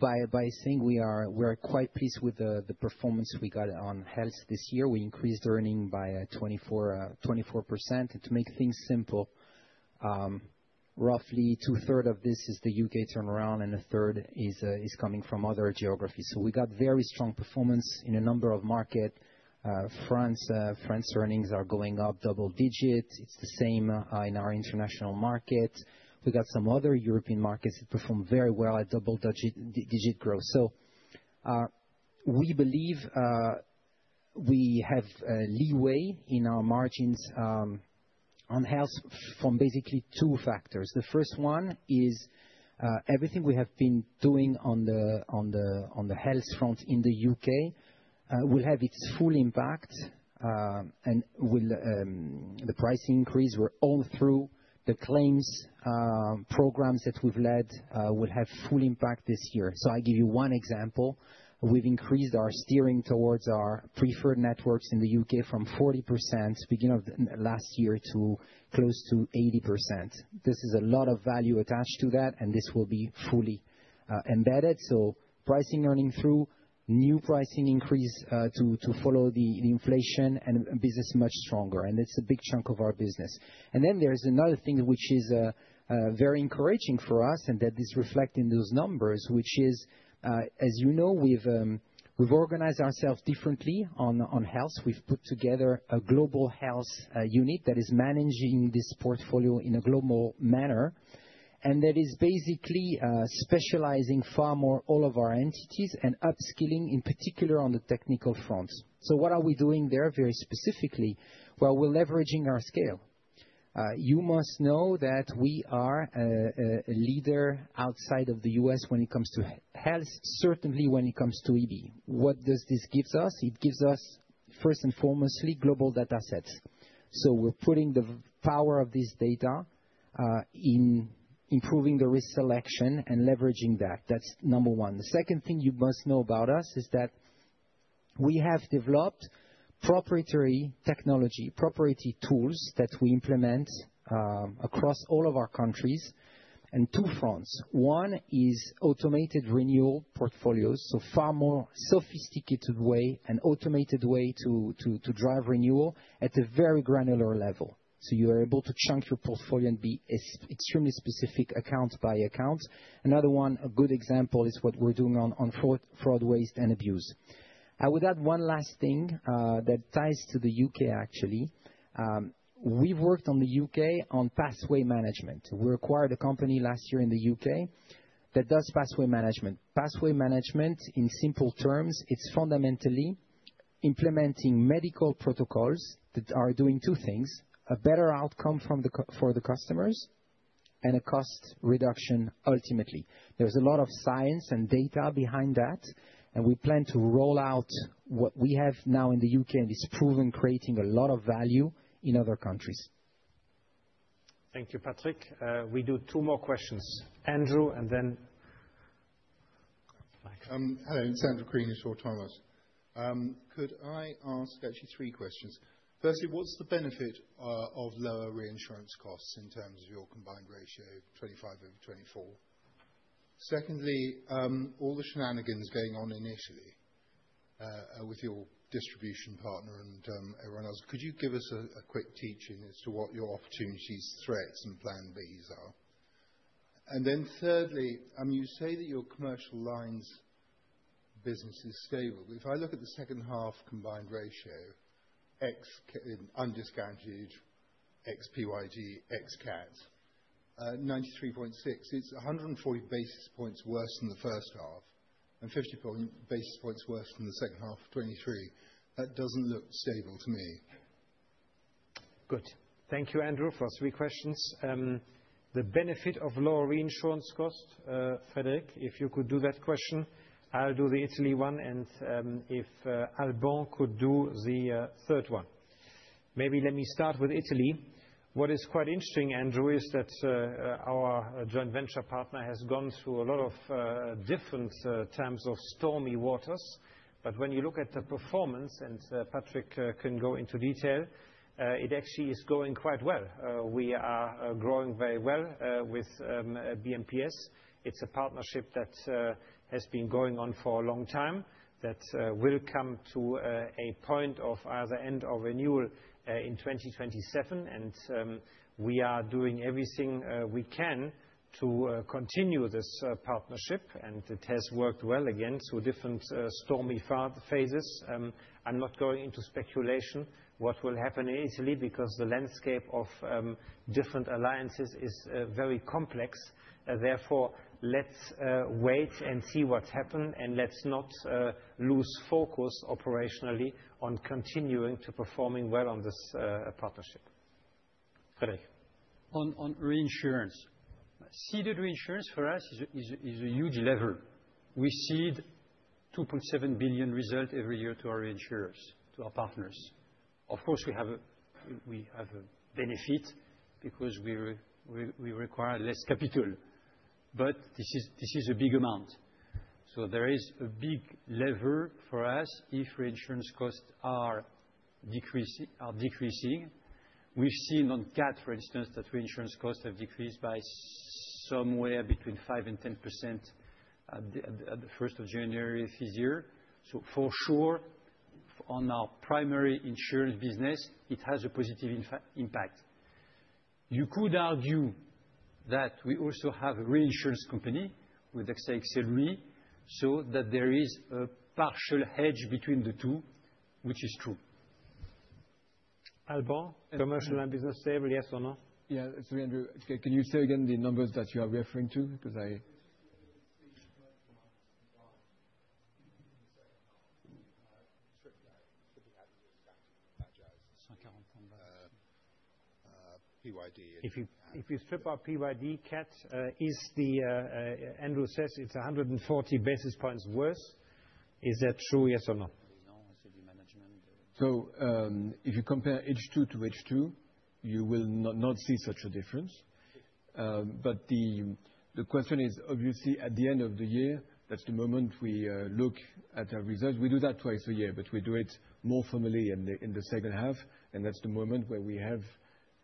by saying we are quite pleased with the performance we got on health this year. We increased earnings by 24%, and to make things simple, roughly two-thirds of this is the UK turnaround, and a third is coming from other geographies, so we got very strong performance in a number of markets. France earnings are going up double digits. It's the same in our international market. We got some other European markets that performed very well at double digit growth, so we believe we have leeway in our margins on health from basically two factors. The first one is everything we have been doing on the health front in the UK will have its full impact, and the price increase will flow through the claims programs that we've led will have full impact this year. So I give you one example. We've increased our steering towards our preferred networks in the UK from 40% beginning of last year to close to 80%. This is a lot of value attached to that, and this will be fully embedded. So pricing is earning through new pricing increase to follow the inflation, and business is much stronger. It's a big chunk of our business. Then there's another thing which is very encouraging for us, and that is reflected in those numbers, which is, as you know, we've organized ourselves differently on health. We've put together a global health unit that is managing this portfolio in a global manner, and that is basically specializing far more all of our entities and upskilling in particular on the technical front. So what are we doing there very specifically? Well, we're leveraging our scale. You must know that we are a leader outside of the U.S. when it comes to health, certainly when it comes to EB. What does this give us? It gives us, first and foremostly, global data sets. So we're putting the power of this data in improving the risk selection and leveraging that. That's number one. The second thing you must know about us is that we have developed proprietary technology, proprietary tools that we implement across all of our countries and two fronts. One is automated renewal portfolios, so far more sophisticated way and automated way to drive renewal at a very granular level. So you are able to chunk your portfolio and be extremely specific account by account. Another one, a good example, is what we're doing on fraud, waste, and abuse. I would add one last thing that ties to the UK, actually. We've worked on the UK on pathway management. We acquired a company last year in the UK that does pathway management. Pathway management, in simple terms, it's fundamentally implementing medical protocols that are doing two things: a better outcome for the customers and a cost reduction ultimately. There's a lot of science and data behind that, and we plan to roll out what we have now in the UK, and it's proven creating a lot of value in other countries. Thank you, Patrick. We do two more questions. Andrew, and then Mike. Hello. Andrew Crean of Thomas. Could I ask actually three questions? Firstly, what's the benefit of lower reinsurance costs in terms of your combined ratio, 2025 over 2024? Secondly, all the shenanigans going on initially with your distribution partner and everyone else, could you give us a quick teaching as to what your opportunities, threats, and plan Bs are? And then thirdly, you say that your commercial lines business is stable. If I look at the second half combined ratio, ex undiscounted, ex PYD, ex CAT, 93.6, it's 140 basis points worse than the first half and 50 basis points worse than the second half of 2023. That doesn't look stable to me. Good. Thank you, Andrew, for three questions. The benefit of lower reinsurance cost, Frédéric, if you could do that question. I'll do the Italy one, and if Alban could do the third one. Maybe let me start with Italy. What is quite interesting, Andrew, is that our joint venture partner has gone through a lot of different times of stormy waters. But when you look at the performance, and Patrick can go into detail, it actually is going quite well. We are growing very well with BMPS. It's a partnership that has been going on for a long time that will come to a point of either end or renewal in 2027. And we are doing everything we can to continue this partnership. And it has worked well again through different stormy phases. I'm not going into speculation what will happen in Italy because the landscape of different alliances is very complex. Therefore, let's wait and see what happen, and let's not lose focus operationally on continuing to perform well on this partnership. Frédéric. On reinsurance. Seeded reinsurance for us is a huge lever. We seed 2.7 billion euros every year to our reinsurers, to our partners. Of course, we have a benefit because we require less capital. But this is a big amount. So there is a big lever for us if reinsurance costs are decreasing. We've seen on CAT, for instance, that reinsurance costs have decreased by somewhere between 5% and 10% at the first of January of this year. So for sure, on our primary insurance business, it has a positive impact. You could argue that we also have a reinsurance company with AXA XL Re, so that there is a partial hedge between the two, which is true. Alban. Commercial line business stable, yes or no? Yeah. It's me, Andrew. Can you say again the numbers that you are referring to? Because I stripped out. If you strip out PYD, CAT is, Andrew says, it's 140 basis points worse. Is that true? Yes or no? If you compare H2 to H2, you will not see such a difference. The question is, obviously, at the end of the year, that's the moment we look at our reserves. We do that twice a year, but we do it more formally in the second half. That's the moment where we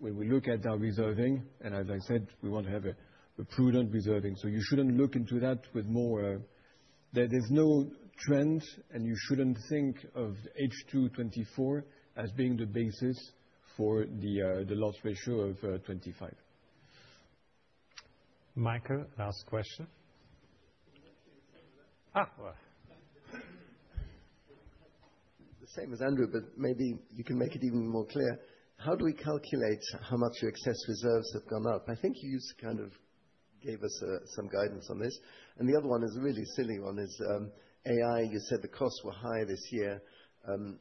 look at our reserving. As I said, we want to have a prudent reserving. You shouldn't look into that with more; there's no trend, and you shouldn't think of H2 2024 as being the basis for the loss ratio of 2025. Michael, last question. The same as Andrew, but maybe you can make it even more clear. How do we calculate how much your excess reserves have gone up? I think you kind of gave us some guidance on this. And the other one is a really silly one. AI, you said the costs were high this year.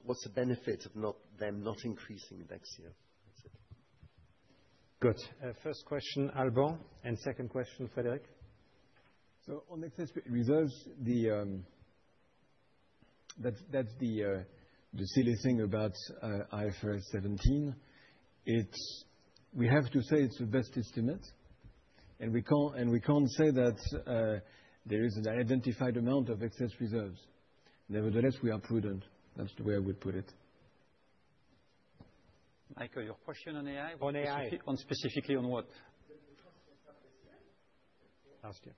What's the benefit of them not increasing next year? That's it. Good. First question, Alban. And second question, Frédéric. So on excess reserves, that's the silly thing about IFRS 17. We have to say it's the best estimate. And we can't say that there is an identified amount of excess reserves. Nevertheless, we are prudent. That's the way I would put it. Michael, your question on AI? On AI. Specifically on what? Last year. Last year.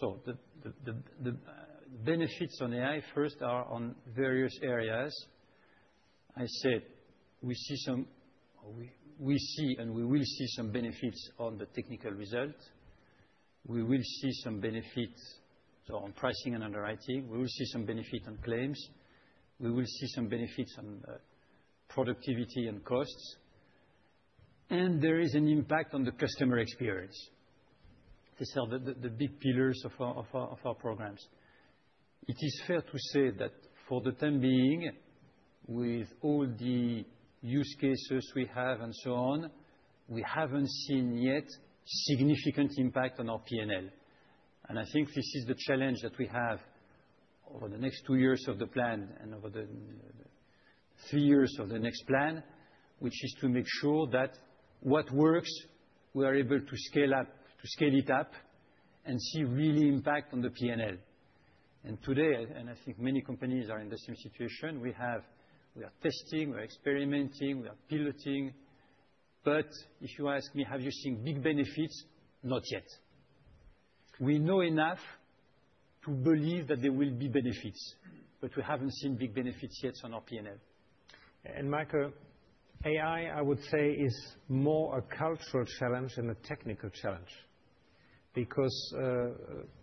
So the benefits on AI first are on various areas. I said we see and we will see some benefits on the technical result. We will see some benefits on pricing and underwriting. We will see some benefit on claims. We will see some benefits on productivity and costs. And there is an impact on the customer experience. These are the big pillars of our programs. It is fair to say that for the time being, with all the use cases we have and so on, we haven't seen yet significant impact on our P&L. And I think this is the challenge that we have over the next two years of the plan and over the three years of the next plan, which is to make sure that what works, we are able to scale it up and see really impact on the P&L. And today, and I think many companies are in the same situation, we are testing, we're experimenting, we are piloting. But if you ask me, have you seen big benefits? Not yet. We know enough to believe that there will be benefits, but we haven't seen big benefits yet on our P&L. And Michael, AI, I would say, is more a cultural challenge than a technical challenge. Because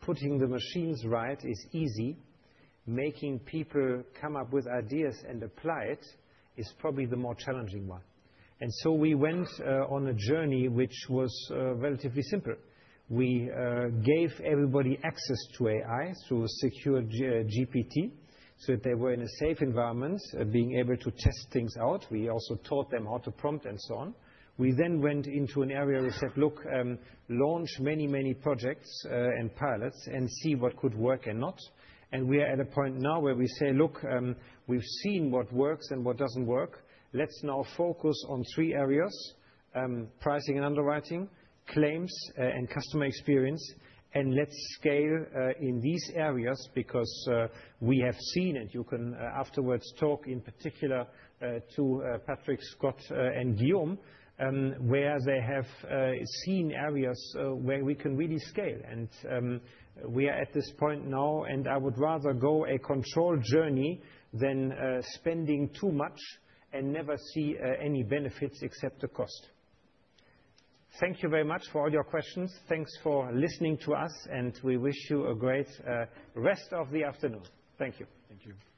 putting the machines right is easy. Making people come up with ideas and apply it is probably the more challenging one. And so we went on a journey which was relatively simple. We gave everybody access to AI through Secure GPT so that they were in a safe environment, being able to test things out. We also taught them how to prompt and so on. We then went into an area and said, "Look, launch many, many projects and pilots and see what could work and not." And we are at a point now where we say, "Look, we've seen what works and what doesn't work. Let's now focus on three areas: pricing and underwriting, claims and customer experience, and let's scale in these areas because we have seen. And you can afterwards talk in particular to Patrick, Scott, and Guillaume, where they have seen areas where we can really scale. We are at this point now, and I would rather go a controlled journey than spending too much and never see any benefits except the cost. Thank you very much for all your questions. Thanks for listening to us, and we wish you a great rest of the afternoon. Thank you. Thank you.